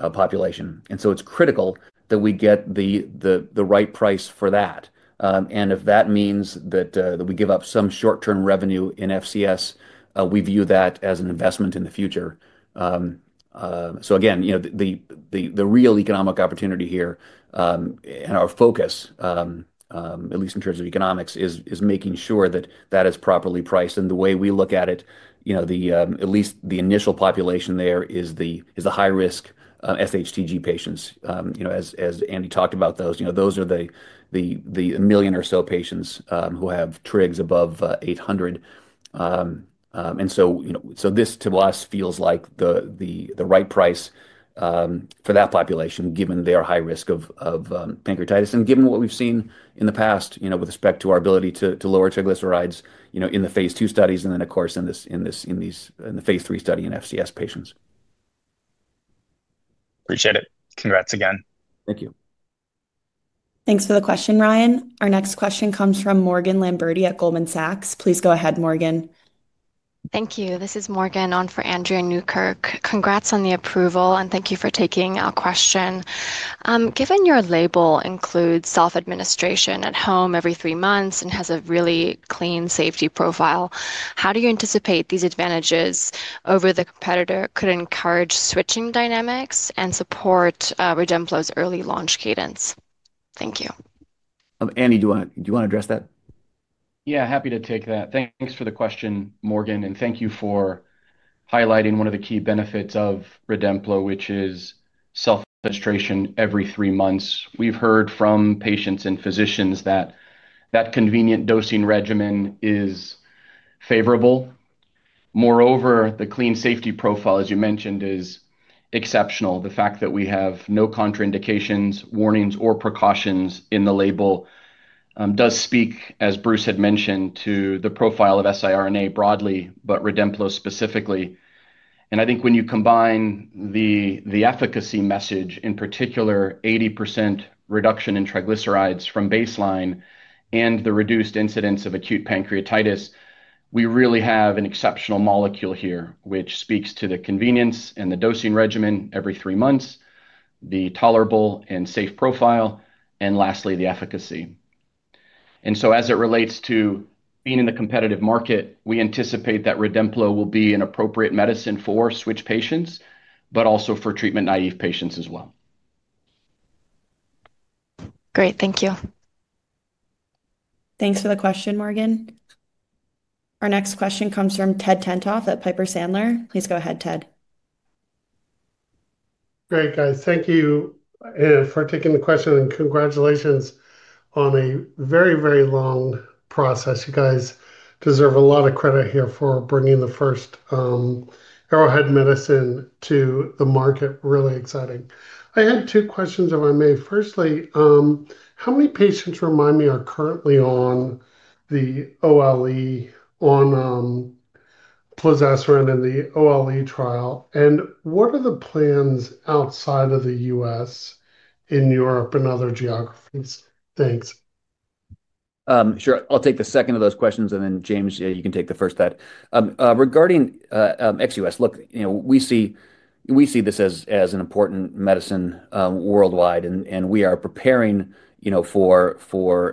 population. It is critical that we get the right price for that. If that means that we give up some short-term revenue in FCS, we view that as an investment in the future. Again, the real economic opportunity here and our focus, at least in terms of economics, is making sure that that is properly priced. The way we look at it, at least the initial population there is the high-risk SHTG patients. As Andy talked about, those are the million or so patients who have TRIGs above 800. This to us feels like the right price for that population, given their high risk of pancreatitis and given what we have seen in the past with respect to our ability to lower triglycerides in the phase two studies and then, of course, in the phase three study in FCS patients. Appreciate it. Congrats again. Thank you. Thanks for the question, Ryan. Our next question comes from Morgan Lamberti at Goldman Sachs. Please go ahead, Morgan. Thank you. This is Morgan on for Andrea Newkirk. Congrats on the approval, and thank you for taking our question. Given your label includes self-administration at home every three months and has a really clean safety profile, how do you anticipate these advantages over the competitor could encourage switching dynamics and support Redemplo's early launch cadence? Thank you. Andy, do you want to address that? Yeah, happy to take that. Thanks for the question, Morgan. Thank you for highlighting one of the key benefits of Redemplo, which is self-administration every three months. We've heard from patients and physicians that that convenient dosing regimen is favorable. Moreover, the clean safety profile, as you mentioned, is exceptional. The fact that we have no contraindications, warnings, or precautions in the label does speak, as Bruce had mentioned, to the profile of siRNA broadly, but Redemplo specifically. I think when you combine the efficacy message, in particular, 80% reduction in triglycerides from baseline and the reduced incidence of acute pancreatitis, we really have an exceptional molecule here, which speaks to the convenience and the dosing regimen every three months, the tolerable and safe profile, and lastly, the efficacy. As it relates to being in the competitive market, we anticipate that Redemplo will be an appropriate medicine for switch patients, but also for treatment naive patients as well. Great. Thank you. Thanks for the question, Morgan. Our next question comes from Ted Tenthoff at Piper Sandler. Please go ahead, Ted. Great, guys. Thank you for taking the question and congratulations on a very, very long process. You guys deserve a lot of credit here for bringing the first Arrowhead medicine to the market. Really exciting. I had two questions, if I may. Firstly, how many patients, remind me, are currently on the OLE on plozasiran in the OLE trial? And what are the plans outside of the U.S., in Europe, and other geographies? Thanks. Sure. I'll take the second of those questions, and then James, you can take the first. Regarding XUS, look, we see this as an important medicine worldwide, and we are preparing for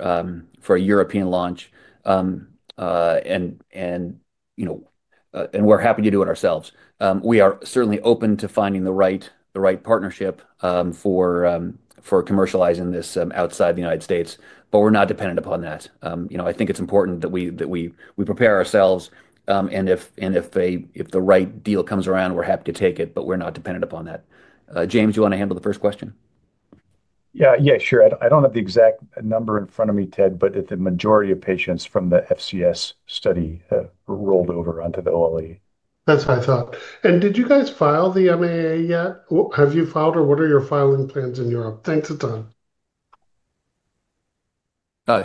a European launch. We are happy to do it ourselves. We are certainly open to finding the right partnership for commercializing this outside the United States, but we are not dependent upon that. I think it's important that we prepare ourselves, and if the right deal comes around, we are happy to take it, but we are not dependent upon that. James, do you want to handle the first question? Yeah, yeah, sure. I do not have the exact number in front of me, Ted, but the majority of patients from the FCS study rolled over onto the OLE. That is what I thought. Did you guys file the MAA yet? Have you filed, or what are your filing plans in Europe? Thanks a ton.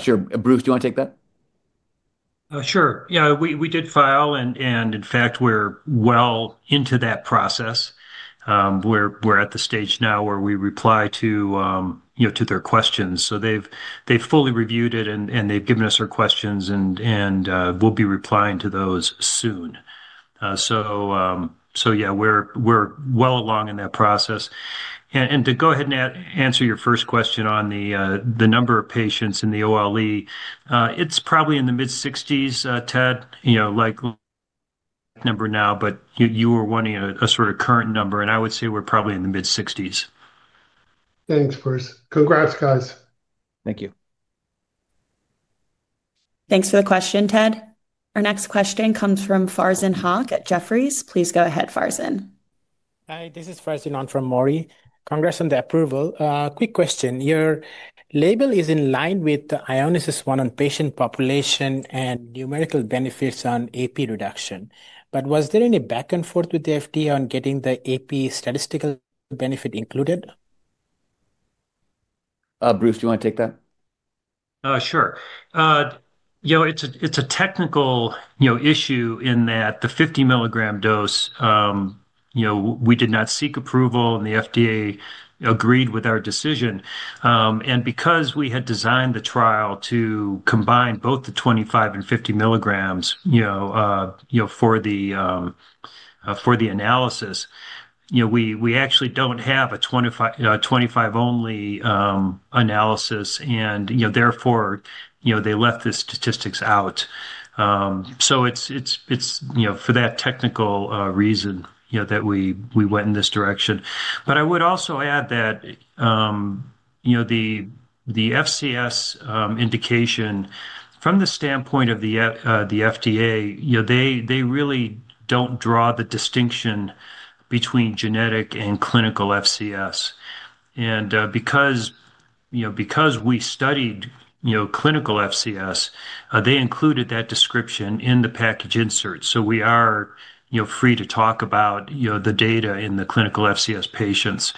Sure. Bruce, do you want to take that? Sure. Yeah, we did file, and in fact, we are well into that process. We are at the stage now where we reply to their questions. They have fully reviewed it, and they have given us their questions, and we will be replying to those soon. Yeah, we are well along in that process. To go ahead and answer your first question on the number of patients in the OLE, it's probably in the mid-60s, Ted, like number now, but you were wanting a sort of current number, and I would say we're probably in the mid-60s. Thanks, Bruce. Congrats, guys. Thank you. Thanks for the question, Ted. Our next question comes from Farzin Haque at Jefferies. Please go ahead, Farzin. Hi, this is Farzin on from MORI. Congrats on the approval. Quick question. Your label is in line with the Ionis one on patient population and numerical benefits on APOC3 reduction. Was there any back and forth with the FDA on getting the acute pancreatitis statistical benefit included? Bruce, do you want to take that? Sure. It's a technical issue in that the 50 mg dose, we did not seek approval, and the FDA agreed with our decision. Because we had designed the trial to combine both the 25 and 50 mg for the analysis, we actually do not have a 25-only analysis, and therefore, they left the statistics out. It is for that technical reason that we went in this direction. I would also add that the FCS indication, from the standpoint of the FDA, they really do not draw the distinction between genetic and clinical FCS. Because we studied clinical FCS, they included that description in the package insert. We are free to talk about the data in the clinical FCS patients.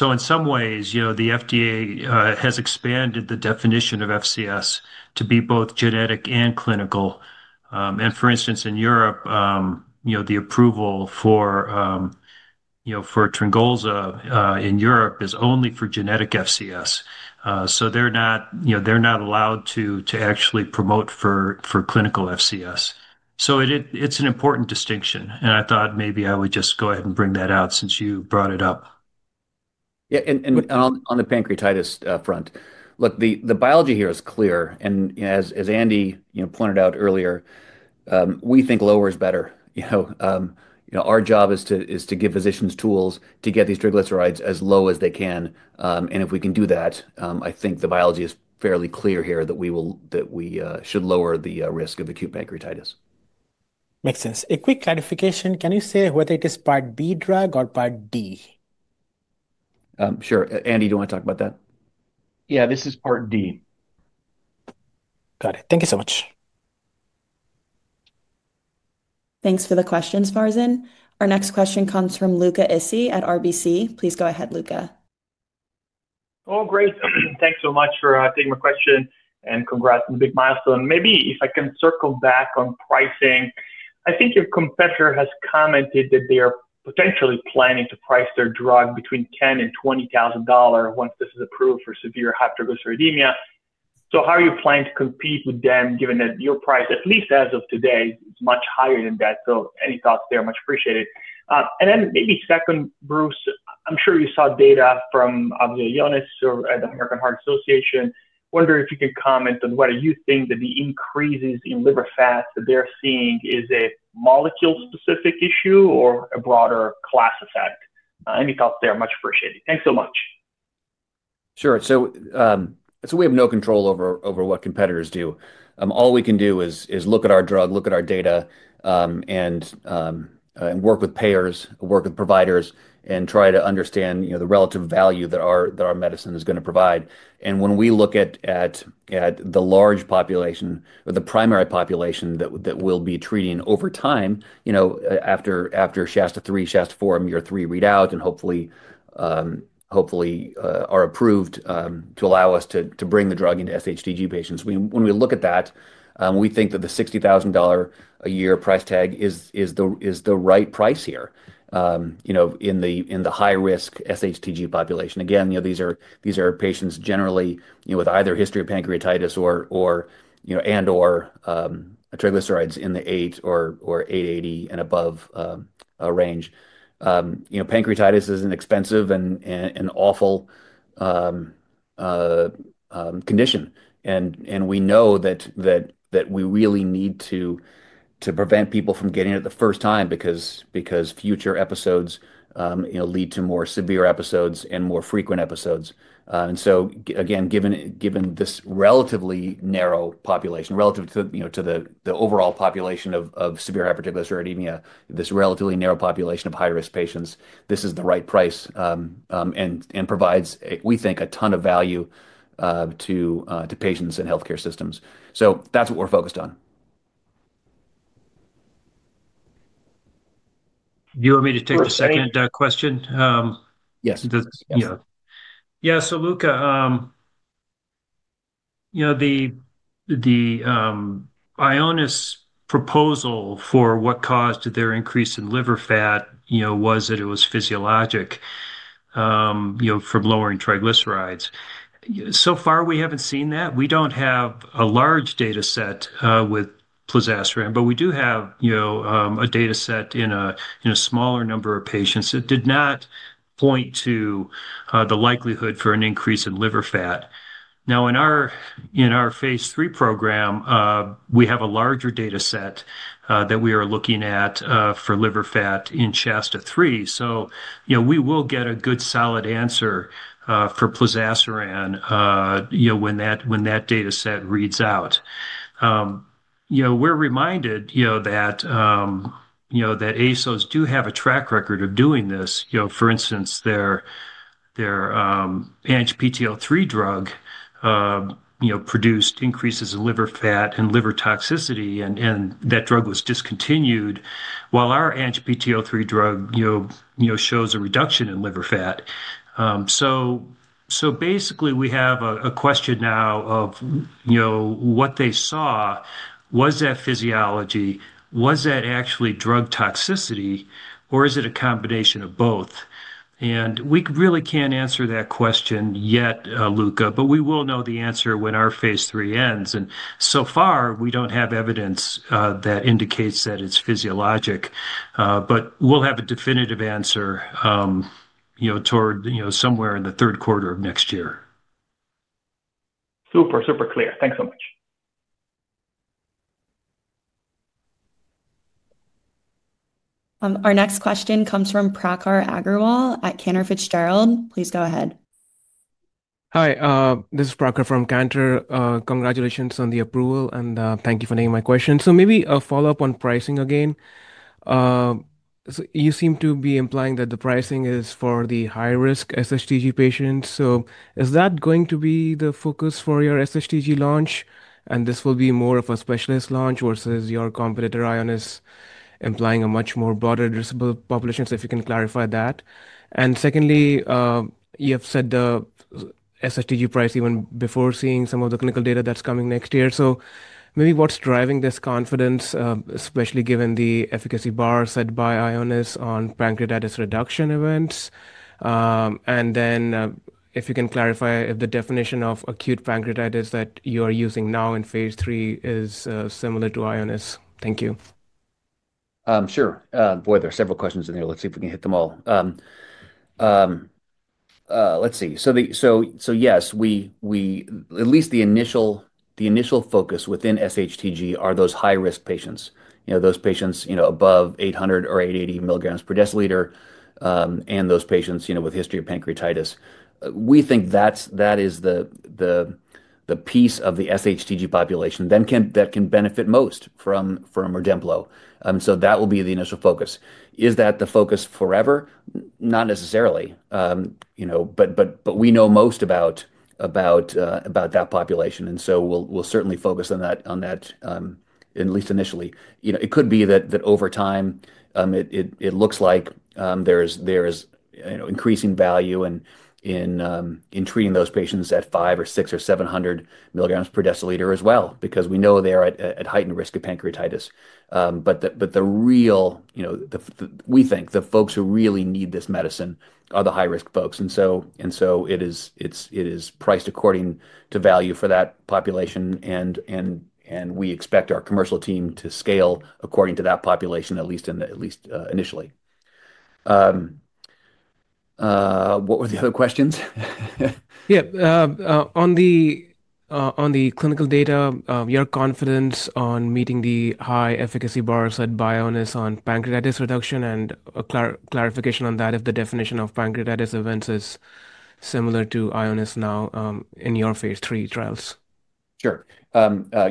In some ways, the FDA has expanded the definition of FCS to be both genetic and clinical. For instance, in Europe, the approval for Redemplo in Europe is only for genetic FCS. They are not allowed to actually promote for clinical FCS. It is an important distinction, and I thought maybe I would just go ahead and bring that out since you brought it up. Yeah. On the pancreatitis front, look, the biology here is clear. As Andy pointed out earlier, we think lower is better. Our job is to give physicians tools to get these triglycerides as low as they can. If we can do that, I think the biology is fairly clear here that we should lower the risk of acute pancreatitis. Makes sense. A quick clarification. Can you say whether it is part B drug or part D? Sure. Andy, do you want to talk about that? Yeah, this is part D. Got it. Thank you so much. Thanks for the questions, Farzin. Our next question comes from Luca Issi at RBC. Please go ahead, Luca. Oh, great. Thanks so much for taking my question and congrats on the big milestone. Maybe if I can circle back on pricing, I think your competitor has commented that they are potentially planning to price their drug between $10,000 and $20,000 once this is approved for severe hypertriglyceridemia. How do you plan to compete with them given that your price, at least as of today, is much higher than that? Any thoughts there? Much appreciated. Then maybe second, Bruce, I'm sure you saw data from Ionis or the American Heart Association. Wonder if you can comment on whether you think that the increases in liver fat that they're seeing is a molecule-specific issue or a broader class effect? Any thoughts there? Much appreciated. Thanks so much. Sure. We have no control over what competitors do. All we can do is look at our drug, look at our data, and work with payers, work with providers, and try to understand the relative value that our medicine is going to provide. When we look at the large population or the primary population that we'll be treating over time after SHASTA-3, SHASTA-4, and year 3 readout, and hopefully are approved to allow us to bring the drug into SHTG patients, when we look at that, we think that the $60,000 a year price tag is the right price here in the high-risk SHTG population. These are patients generally with either a history of pancreatitis and/or triglycerides in the 8 or 880 and above range. Pancreatitis is an expensive and awful condition. We know that we really need to prevent people from getting it the first time because future episodes lead to more severe episodes and more frequent episodes. Again, given this relatively narrow population, relative to the overall population of severe hypertriglyceridemia, this relatively narrow population of high-risk patients, this is the right price and provides, we think, a ton of value to patients and healthcare systems. That is what we are focused on. Do you want me to take the second question? Yes. Yeah. Luca, the Ionis Pharmaceuticals proposal for what caused their increase in liver fat was that it was physiologic from lowering triglycerides. So far, we have not seen that. We do not have a large data set with plozasiran, but we do have a data set in a smaller number of patients that did not point to the likelihood for an increase in liver fat. Now, in our phase three program, we have a larger data set that we are looking at for liver fat in SHASTA-3. We will get a good solid answer for plozasiran when that data set reads out. We're reminded that ASOs do have a track record of doing this. For instance, their ANGPTL3 drug produced increases in liver fat and liver toxicity, and that drug was discontinued while our ANGPTL3 drug shows a reduction in liver fat. Basically, we have a question now of what they saw. Was that physiology? Was that actually drug toxicity, or is it a combination of both? We really can't answer that question yet, Luca, but we will know the answer when our phase three ends. So far, we don't have evidence that indicates that it's physiologic, but we'll have a definitive answer toward somewhere in the third quarter of next year. Super, super clear. Thanks so much. Our next question comes from Prakhar Agrawal at Cantor Fitzgerald. Please go ahead. Hi, this is Prakhar from Cantor. Congratulations on the approval, and thank you for taking my question. Maybe a follow-up on pricing again. You seem to be implying that the pricing is for the high-risk SHTG patients. Is that going to be the focus for your SHTG launch? This will be more of a specialist launch versus your competitor Ionis implying a much more broader admissible population, so if you can clarify that. Secondly, you have set the SHTG price even before seeing some of the clinical data that's coming next year. Maybe what is driving this confidence, especially given the efficacy bar set by Ionis on pancreatitis reduction events? If you can clarify if the definition of acute pancreatitis that you are using now in phase three is similar to Ionis. Thank you. Sure. Boy, there are several questions in there. Let's see if we can hit them all. Let's see. Yes, at least the initial focus within SHTG are those high-risk patients, those patients above 800 or 880 mg per deciliter, and those patients with a history of pancreatitis. We think that is the piece of the SHTG population that can benefit most from Redemplo. That will be the initial focus. Is that the focus forever? Not necessarily. We know most about that population, and we will certainly focus on that, at least initially. It could be that over time, it looks like there's increasing value in treating those patients at 500 or 600 or 700 mg per deciliter as well because we know they are at heightened risk of pancreatitis. The real, we think, the folks who really need this medicine are the high-risk folks. It is priced according to value for that population, and we expect our commercial team to scale according to that population, at least initially. What were the other questions? Yeah. On the clinical data, your confidence on meeting the high-efficacy bar set by Ionis Pharmaceuticals on pancreatitis reduction and clarification on that if the definition of pancreatitis events is similar to Ionis Pharmaceuticals now in your phase three trials? Sure.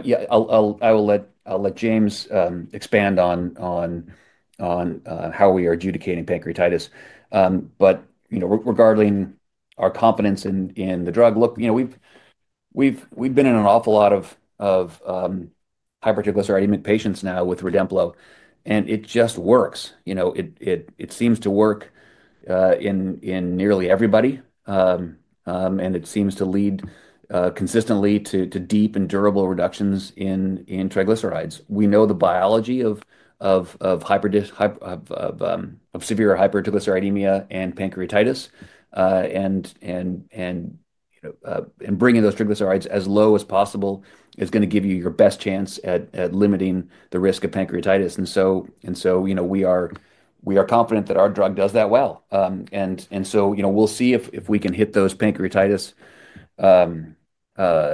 Yeah. I'll let James expand on how we are adjudicating pancreatitis. Regarding our confidence in the drug, look, we've been in an awful lot of hypertriglyceridemic patients now with Redemplo, and it just works. It seems to work in nearly everybody, and it seems to lead consistently to deep and durable reductions in triglycerides. We know the biology of severe hypertriglyceridemia and pancreatitis, and bringing those triglycerides as low as possible is going to give you your best chance at limiting the risk of pancreatitis. We are confident that our drug does that well. We will see if we can hit those pancreatitis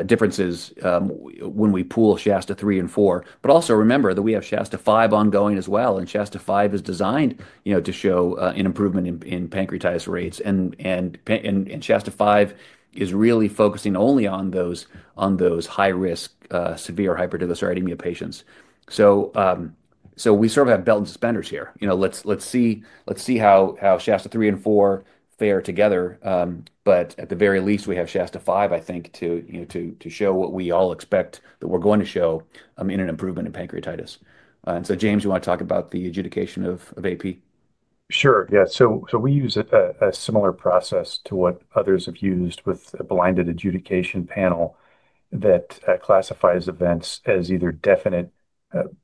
differences when we pool SHASTA-3 and 4. Also remember that we have SHASTA-5 ongoing as well, and SHASTA-5 is designed to show an improvement in pancreatitis rates. SHASTA-5 is really focusing only on those high-risk severe hypertriglyceridemia patients. We sort of have belt and suspenders here. Let's see how SHASTA-3 and 4 fare together. At the very least, we have SHASTA-5, I think, to show what we all expect that we're going to show in an improvement in pancreatitis. James, you want to talk about the adjudication of AP? Sure. Yeah. We use a similar process to what others have used with a blinded adjudication panel that classifies events as either definite,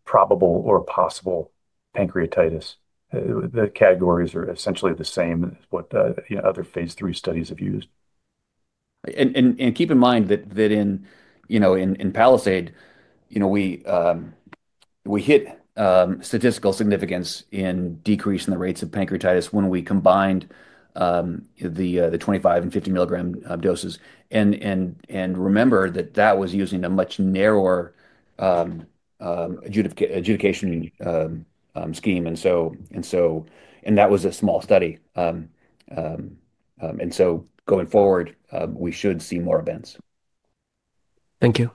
probable, or possible pancreatitis. The categories are essentially the same as what other phase three studies have used. Keep in mind that in Palisade, we hit statistical significance in decreasing the rates of pancreatitis when we combined the 25 and 50 mg doses. Remember that that was using a much narrower adjudication scheme. That was a small study. Going forward, we should see more events. Thank you.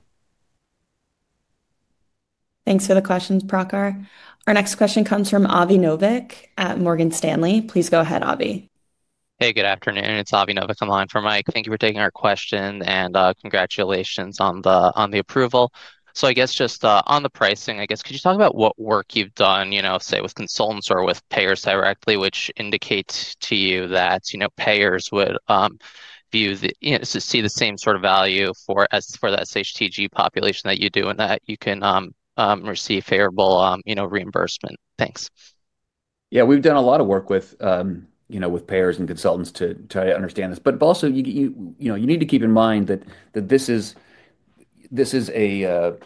Thanks for the questions, Prakhar. Our next question comes from Avi Novick at Morgan Stanley. Please go ahead, Avi. Hey, good afternoon. It's Avi Novick on the line for Mike. Thank you for taking our question and congratulations on the approval. I guess just on the pricing, could you talk about what work you've done, say, with consultants or with payers directly, which indicates to you that payers would see the same sort of value for the SHTG population that you do and that you can receive favorable reimbursement? Thanks. Yeah. We've done a lot of work with payers and consultants to try to understand this. Also, you need to keep in mind that this is a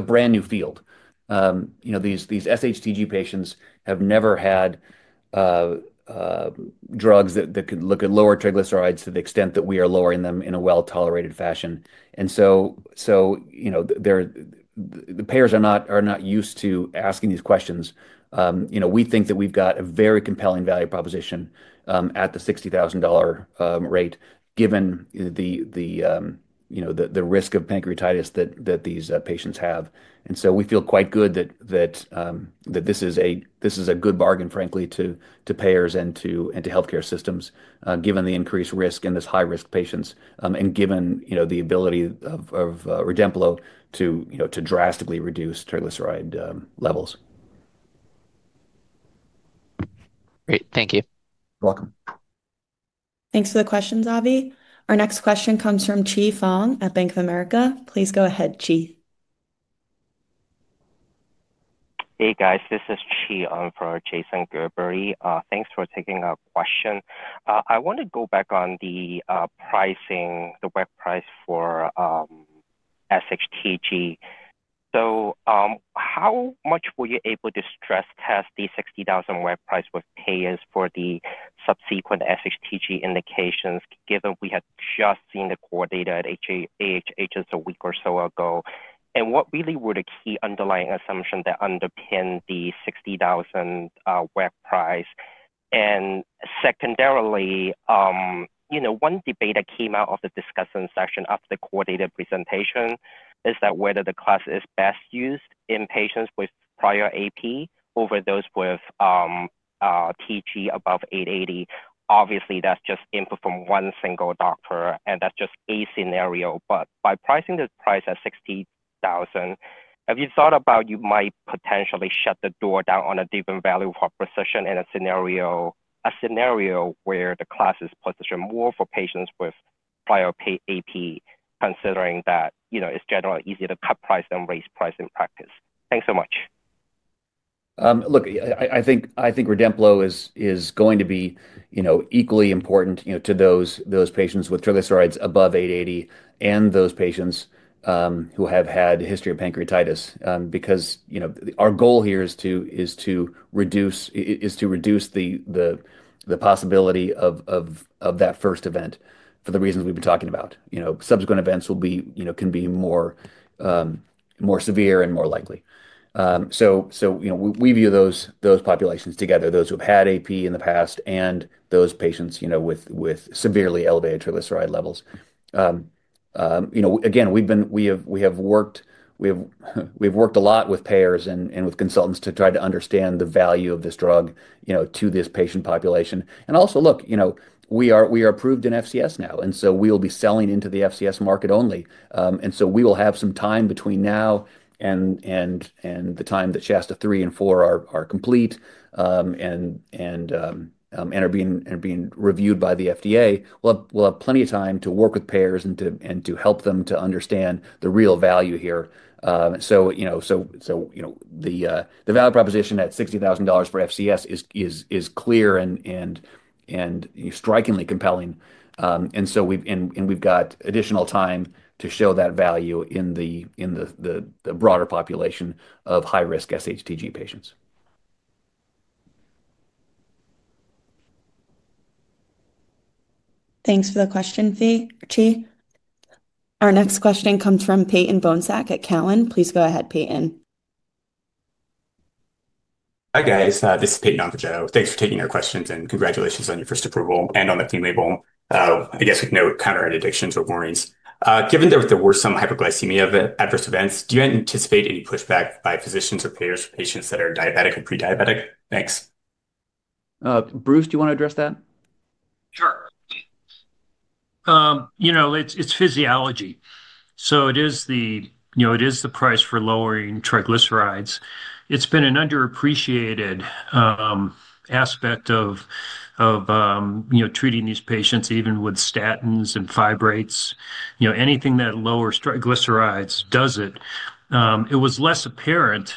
brand new field. These SHTG patients have never had drugs that could look at lower triglycerides to the extent that we are lowering them in a well-tolerated fashion. The payers are not used to asking these questions. We think that we've got a very compelling value proposition at the $60,000 rate given the risk of pancreatitis that these patients have. We feel quite good that this is a good bargain, frankly, to payers and to healthcare systems given the increased risk in these high-risk patients and given the ability of Redemplo to drastically reduce triglyceride levels. Great. Thank you. You're welcome. Thanks for the questions, Avi. Our next question comes from Chi Fong at Bank of America. Please go ahead, Chi. Hey, guys. This is Chi for Jason Gerbery. Thanks for taking our question. I want to go back on the pricing, the web price for SHTG. How much were you able to stress-test the $60,000 web price with payers for the subsequent SHTG indications given we had just seen the core data at AHHS a week or so ago? What really were the key underlying assumptions that underpinned the $60,000 web price? Secondarily, one debate that came out of the discussion section of the core data presentation is whether the class is best used in patients with prior AP over those with TG above 880. Obviously, that's just input from one single doctor, and that's just a scenario. By pricing this at $60,000, have you thought about how you might potentially shut the door down on a deeper value for precision in a scenario where the class is positioned more for patients with prior AP, considering that it's generally easier to cut price than raise price in practice? Thanks so much. Look, I think Redemplo is going to be equally important to those patients with triglycerides above 880 and those patients who have had a history of pancreatitis because our goal here is to reduce the possibility of that first event for the reasons we've been talking about. Subsequent events can be more severe and more likely. We view those populations together, those who have had AP in the past and those patients with severely elevated triglyceride levels. Again, we have worked a lot with payers and with consultants to try to understand the value of this drug to this patient population. Also, look, we are approved in FCS now, and we will be selling into the FCS market only. We will have some time between now and the time that SHASTA-3 and 4 are complete and are being reviewed by the FDA. We'll have plenty of time to work with payers and to help them to understand the real value here. The value proposition at $60,000 for FCS is clear and strikingly compelling. We have additional time to show that value in the broader population of high-risk SHTG patients. Thanks for the question, Chi. Our next question comes from Peyton Bhonsack at Cowen. Please go ahead, Peyton. Hi guys. This is Peyton Agrawal. Thanks for taking our questions and congratulations on your first approval and on the clean label. I guess with no counter-addictions or warnings. Given that there were some hyperglycemia adverse events, do you anticipate any pushback by physicians or payers for patients that are diabetic or prediabetic? Thanks. Bruce, do you want to address that? Sure. It's physiology. It is the price for lowering triglycerides. It's been an underappreciated aspect of treating these patients even with statins and fibrates. Anything that lowers triglycerides does it. It was less apparent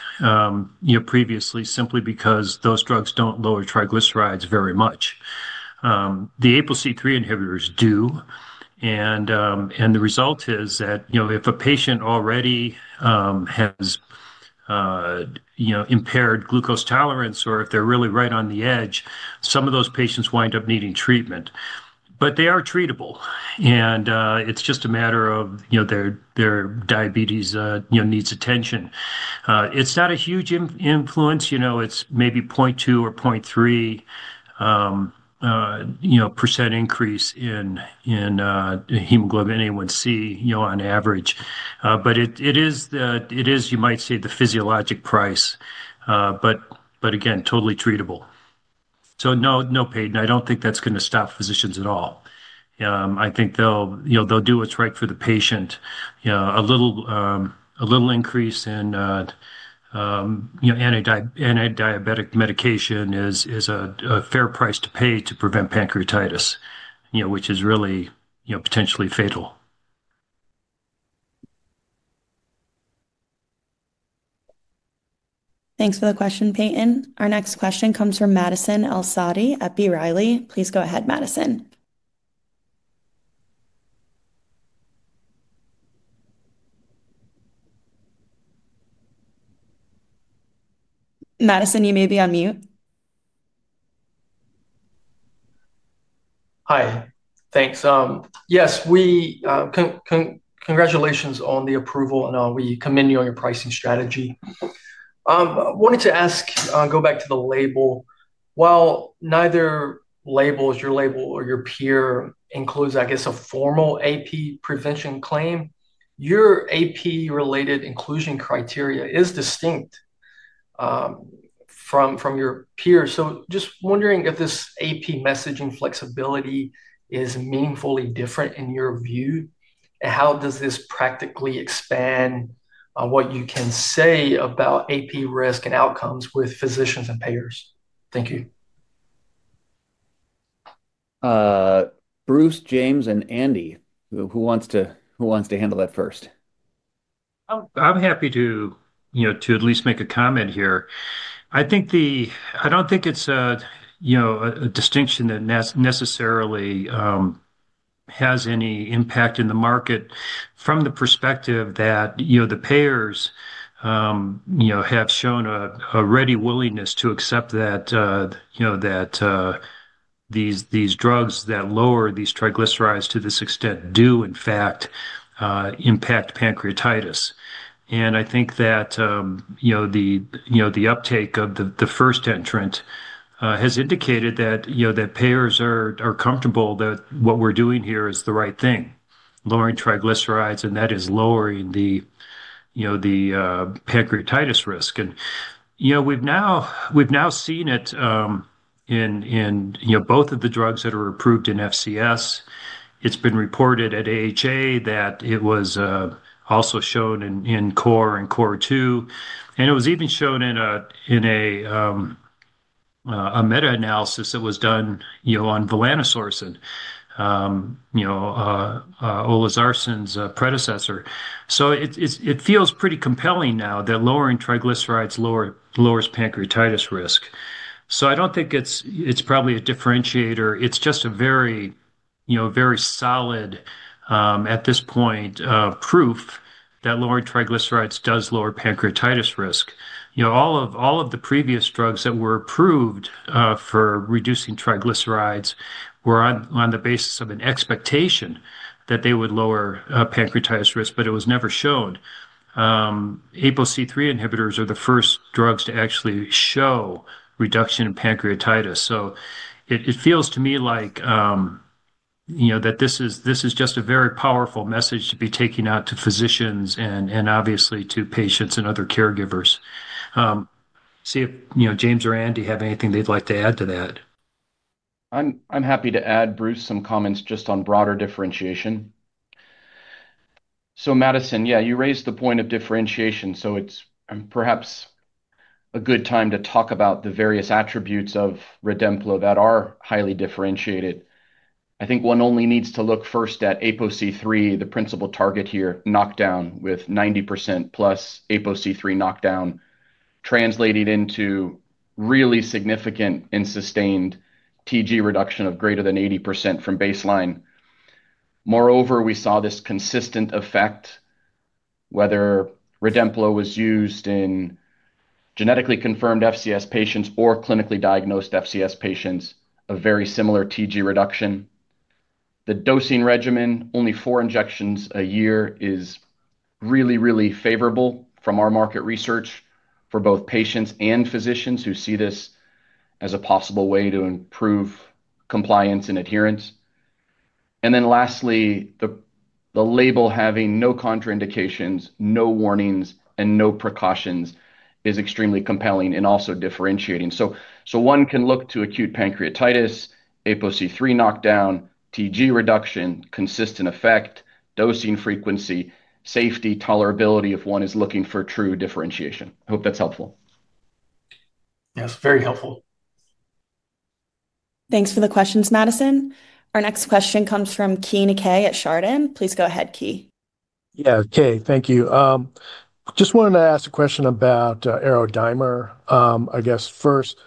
previously simply because those drugs do not lower triglycerides very much. The APOC3 inhibitors do. The result is that if a patient already has impaired glucose tolerance or if they're really right on the edge, some of those patients wind up needing treatment. They are treatable, and it's just a matter of their diabetes needs attention. It's not a huge influence. It's maybe 0.2% or 0.3% increase in hemoglobin A1C on average. It is, you might say, the physiologic price, but again, totally treatable. No, Peyton, I do not think that's going to stop physicians at all. I think they'll do what's right for the patient. A little increase in antidiabetic medication is a fair price to pay to prevent pancreatitis, which is really potentially fatal. Thanks for the question, Peyton. Our next question comes from Madison Elsaadi at B. Riley. Please go ahead, Madison. Madison, you may be on mute. Hi. Thanks. Yes. Congratulations on the approval, and we commend you on your pricing strategy. I wanted to go back to the label. While neither label, your label, or your peer includes, I guess, a formal AP prevention claim, your AP-related inclusion criteria is distinct from your peers. Just wondering if this AP messaging flexibility is meaningfully different in your view, and how does this practically expand what you can say about AP risk and outcomes with physicians and payers? Thank you. Bruce, James, and Andy, who wants to handle that first? I'm happy to at least make a comment here. I don't think it's a distinction that necessarily has any impact in the market from the perspective that the payers have shown a ready willingness to accept that these drugs that lower these triglycerides to this extent do, in fact, impact pancreatitis. I think that the uptake of the first entrant has indicated that payers are comfortable that what we're doing here is the right thing, lowering triglycerides, and that is lowering the pancreatitis risk. We've now seen it in both of the drugs that are approved in FCS. It's been reported at AHA that it was also shown in Core and Core 2. It was even shown in a meta-analysis that was done on volanesorsen, olpasiran's predecessor. It feels pretty compelling now that lowering triglycerides lowers pancreatitis risk. I don't think it's probably a differentiator. It's just a very solid, at this point, proof that lowering triglycerides does lower pancreatitis risk. All of the previous drugs that were approved for reducing triglycerides were on the basis of an expectation that they would lower pancreatitis risk, but it was never shown. APOC3 inhibitors are the first drugs to actually show reduction in pancreatitis. It feels to me like this is just a very powerful message to be taken out to physicians and obviously to patients and other caregivers. See if James or Andy have anything they'd like to add to that. I'm happy to add, Bruce, some comments just on broader differentiation. Madison, you raised the point of differentiation. It's perhaps a good time to talk about the various attributes of Redemplo that are highly differentiated. I think one only needs to look first at APOC3, the principal target here, knockdown with 90% plus APOC3 knockdown, translated into really significant and sustained TG reduction of greater than 80% from baseline. Moreover, we saw this consistent effect, whether Redemplo was used in genetically confirmed FCS patients or clinically diagnosed FCS patients, a very similar TG reduction. The dosing regimen, only four injections a year, is really, really favorable from our market research for both patients and physicians who see this as a possible way to improve compliance and adherence. Lastly, the label having no contraindications, no warnings, and no precautions is extremely compelling and also differentiating. One can look to acute pancreatitis, APOC3 knockdown, TG reduction, consistent effect, dosing frequency, safety, tolerability if one is looking for true differentiation. I hope that's helpful. Yes, very helpful. Thanks for the questions, Madison. Our next question comes from Keay Nakae at Chardan. Please go ahead, Keay. Yeah, Keay, thank you. Just wanted to ask a question about Arrow Dimer PA. I guess first,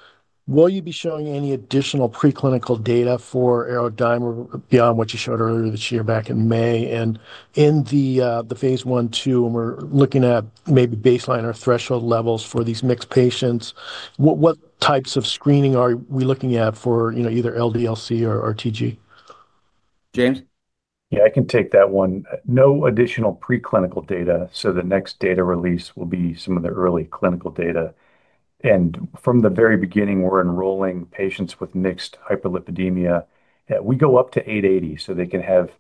will you be showing any additional preclinical data for Arrow Dimer PA beyond what you showed earlier this year back in May? In the phase one, two, when we're looking at maybe baseline or threshold levels for these mixed patients, what types of screening are we looking at for either LDL-C or TG? James? Yeah, I can take that one. No additional preclinical data. The next data release will be some of the early clinical data. From the very beginning, we're enrolling patients with mixed hyperlipidemia. We go up to 880, so they can have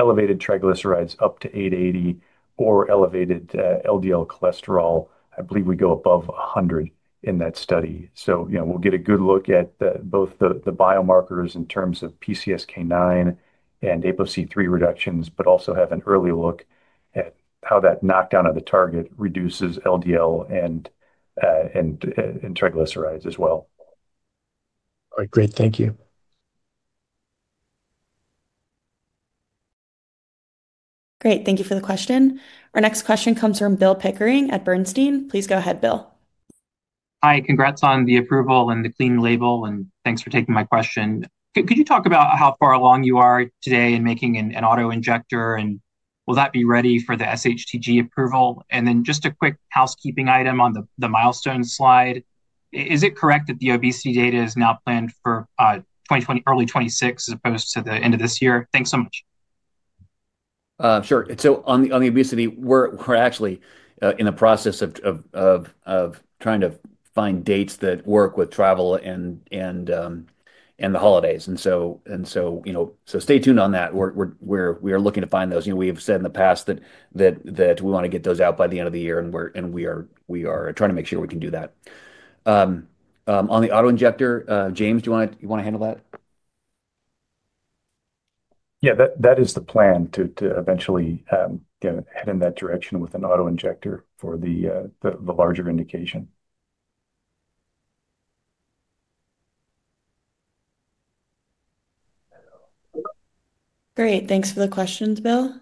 elevated triglycerides up to 880 or elevated LDL cholesterol. I believe we go above 100 in that study. We'll get a good look at both the biomarkers in terms of PCSK9 and APOC3 reductions, but also have an early look at how that knockdown of the target reduces LDL and triglycerides as well. All right, great. Thank you. Great. Thank you for the question. Our next question comes from Bill Pickering at Bernstein. Please go ahead, Bill. Hi. Congrats on the approval and the clean label, and thanks for taking my question. Could you talk about how far along you are today in making an auto injector, and will that be ready for the SHTG approval? And then just a quick housekeeping item on the milestone slide. Is it correct that the obesity data is now planned for early 2026 as opposed to the end of this year? Thanks so much. Sure. On the obesity, we're actually in the process of trying to find dates that work with travel and the holidays. Stay tuned on that. We are looking to find those. We have said in the past that we want to get those out by the end of the year, and we are trying to make sure we can do that. On the auto injector, James, do you want to handle that? Yeah, that is the plan to eventually head in that direction with an auto injector for the larger indication. Great. Thanks for the questions, Bill.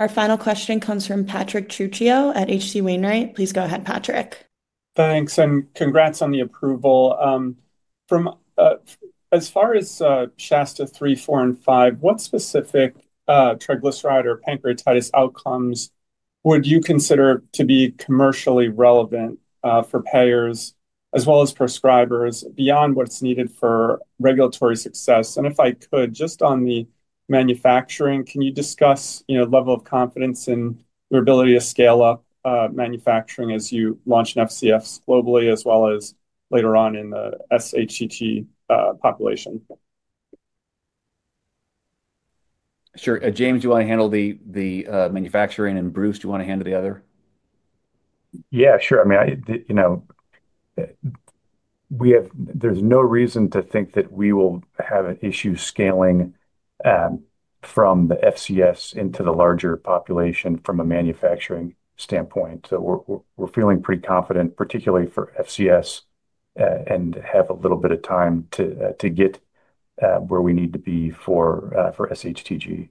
Our final question comes from Patrick Trucchio at H.C. Wainwright. Please go ahead, Patrick. Thanks. And congrats on the approval. As far as SHASTA-3, 4, and 5, what specific triglyceride or pancreatitis outcomes would you consider to be commercially relevant for payers as well as prescribers beyond what's needed for regulatory success? If I could, just on the manufacturing, can you discuss the level of confidence in your ability to scale up manufacturing as you launch an FCS globally as well as later on in the SHTG population? Sure. James, do you want to handle the manufacturing, and Bruce, do you want to handle the other? Yeah, sure. I mean, there's no reason to think that we will have an issue scaling from the FCS into the larger population from a manufacturing standpoint. We're feeling pretty confident, particularly for FCS, and have a little bit of time to get where we need to be for SHTG.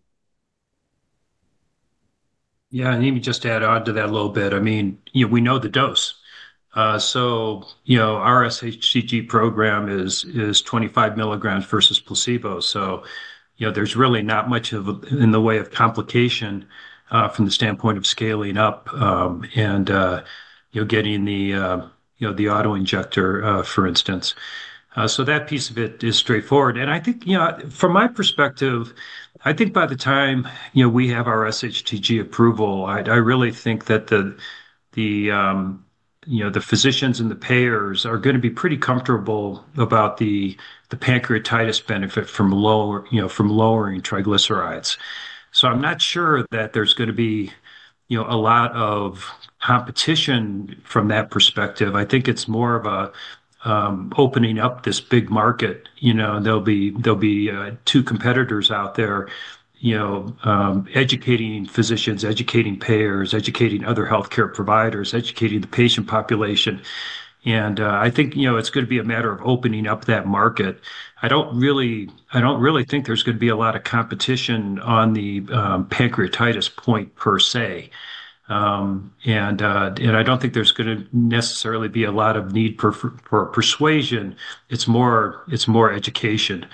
Yeah, and let me just add on to that a little bit. I mean, we know the dose. Our SHTG program is 25 mg versus placebo. There's really not much in the way of complication from the standpoint of scaling up and getting the auto injector, for instance. That piece of it is straightforward. I think from my perspective, by the time we have our SHTG approval, I really think that the physicians and the payers are going to be pretty comfortable about the pancreatitis benefit from lowering triglycerides. I'm not sure that there's going to be a lot of competition from that perspective. I think it's more of an opening up this big market. There'll be two competitors out there educating physicians, educating payers, educating other healthcare providers, educating the patient population. I think it's going to be a matter of opening up that market. I don't really think there's going to be a lot of competition on the pancreatitis point per se. I don't think there's going to necessarily be a lot of need for persuasion. It's more education.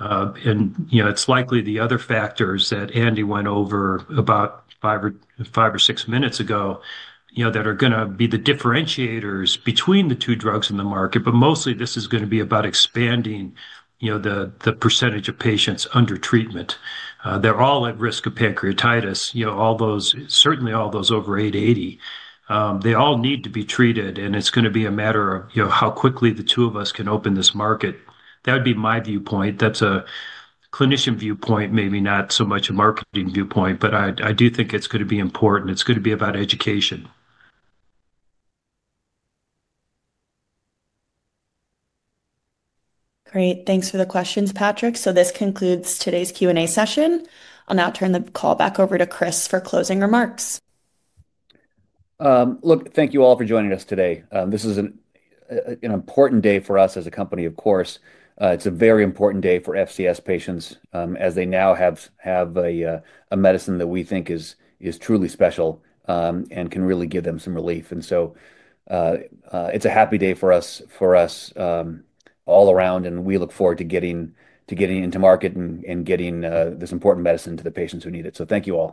It's likely the other factors that Andy went over about five or six minutes ago that are going to be the differentiators between the two drugs in the market. Mostly, this is going to be about expanding the percentage of patients under treatment. They're all at risk of pancreatitis, certainly all those over 880. They all need to be treated, and it's going to be a matter of how quickly the two of us can open this market. That would be my viewpoint. That's a clinician viewpoint, maybe not so much a marketing viewpoint, but I do think it's going to be important. It's going to be about education. Great. Thanks for the questions, Patrick. This concludes today's Q&A session. I'll now turn the call back over to Chris for closing remarks. Look, thank you all for joining us today. This is an important day for us as a company, of course. It's a very important day for FCS patients as they now have a medicine that we think is truly special and can really give them some relief. It's a happy day for us all around, and we look forward to getting into market and getting this important medicine to the patients who need it. Thank you all.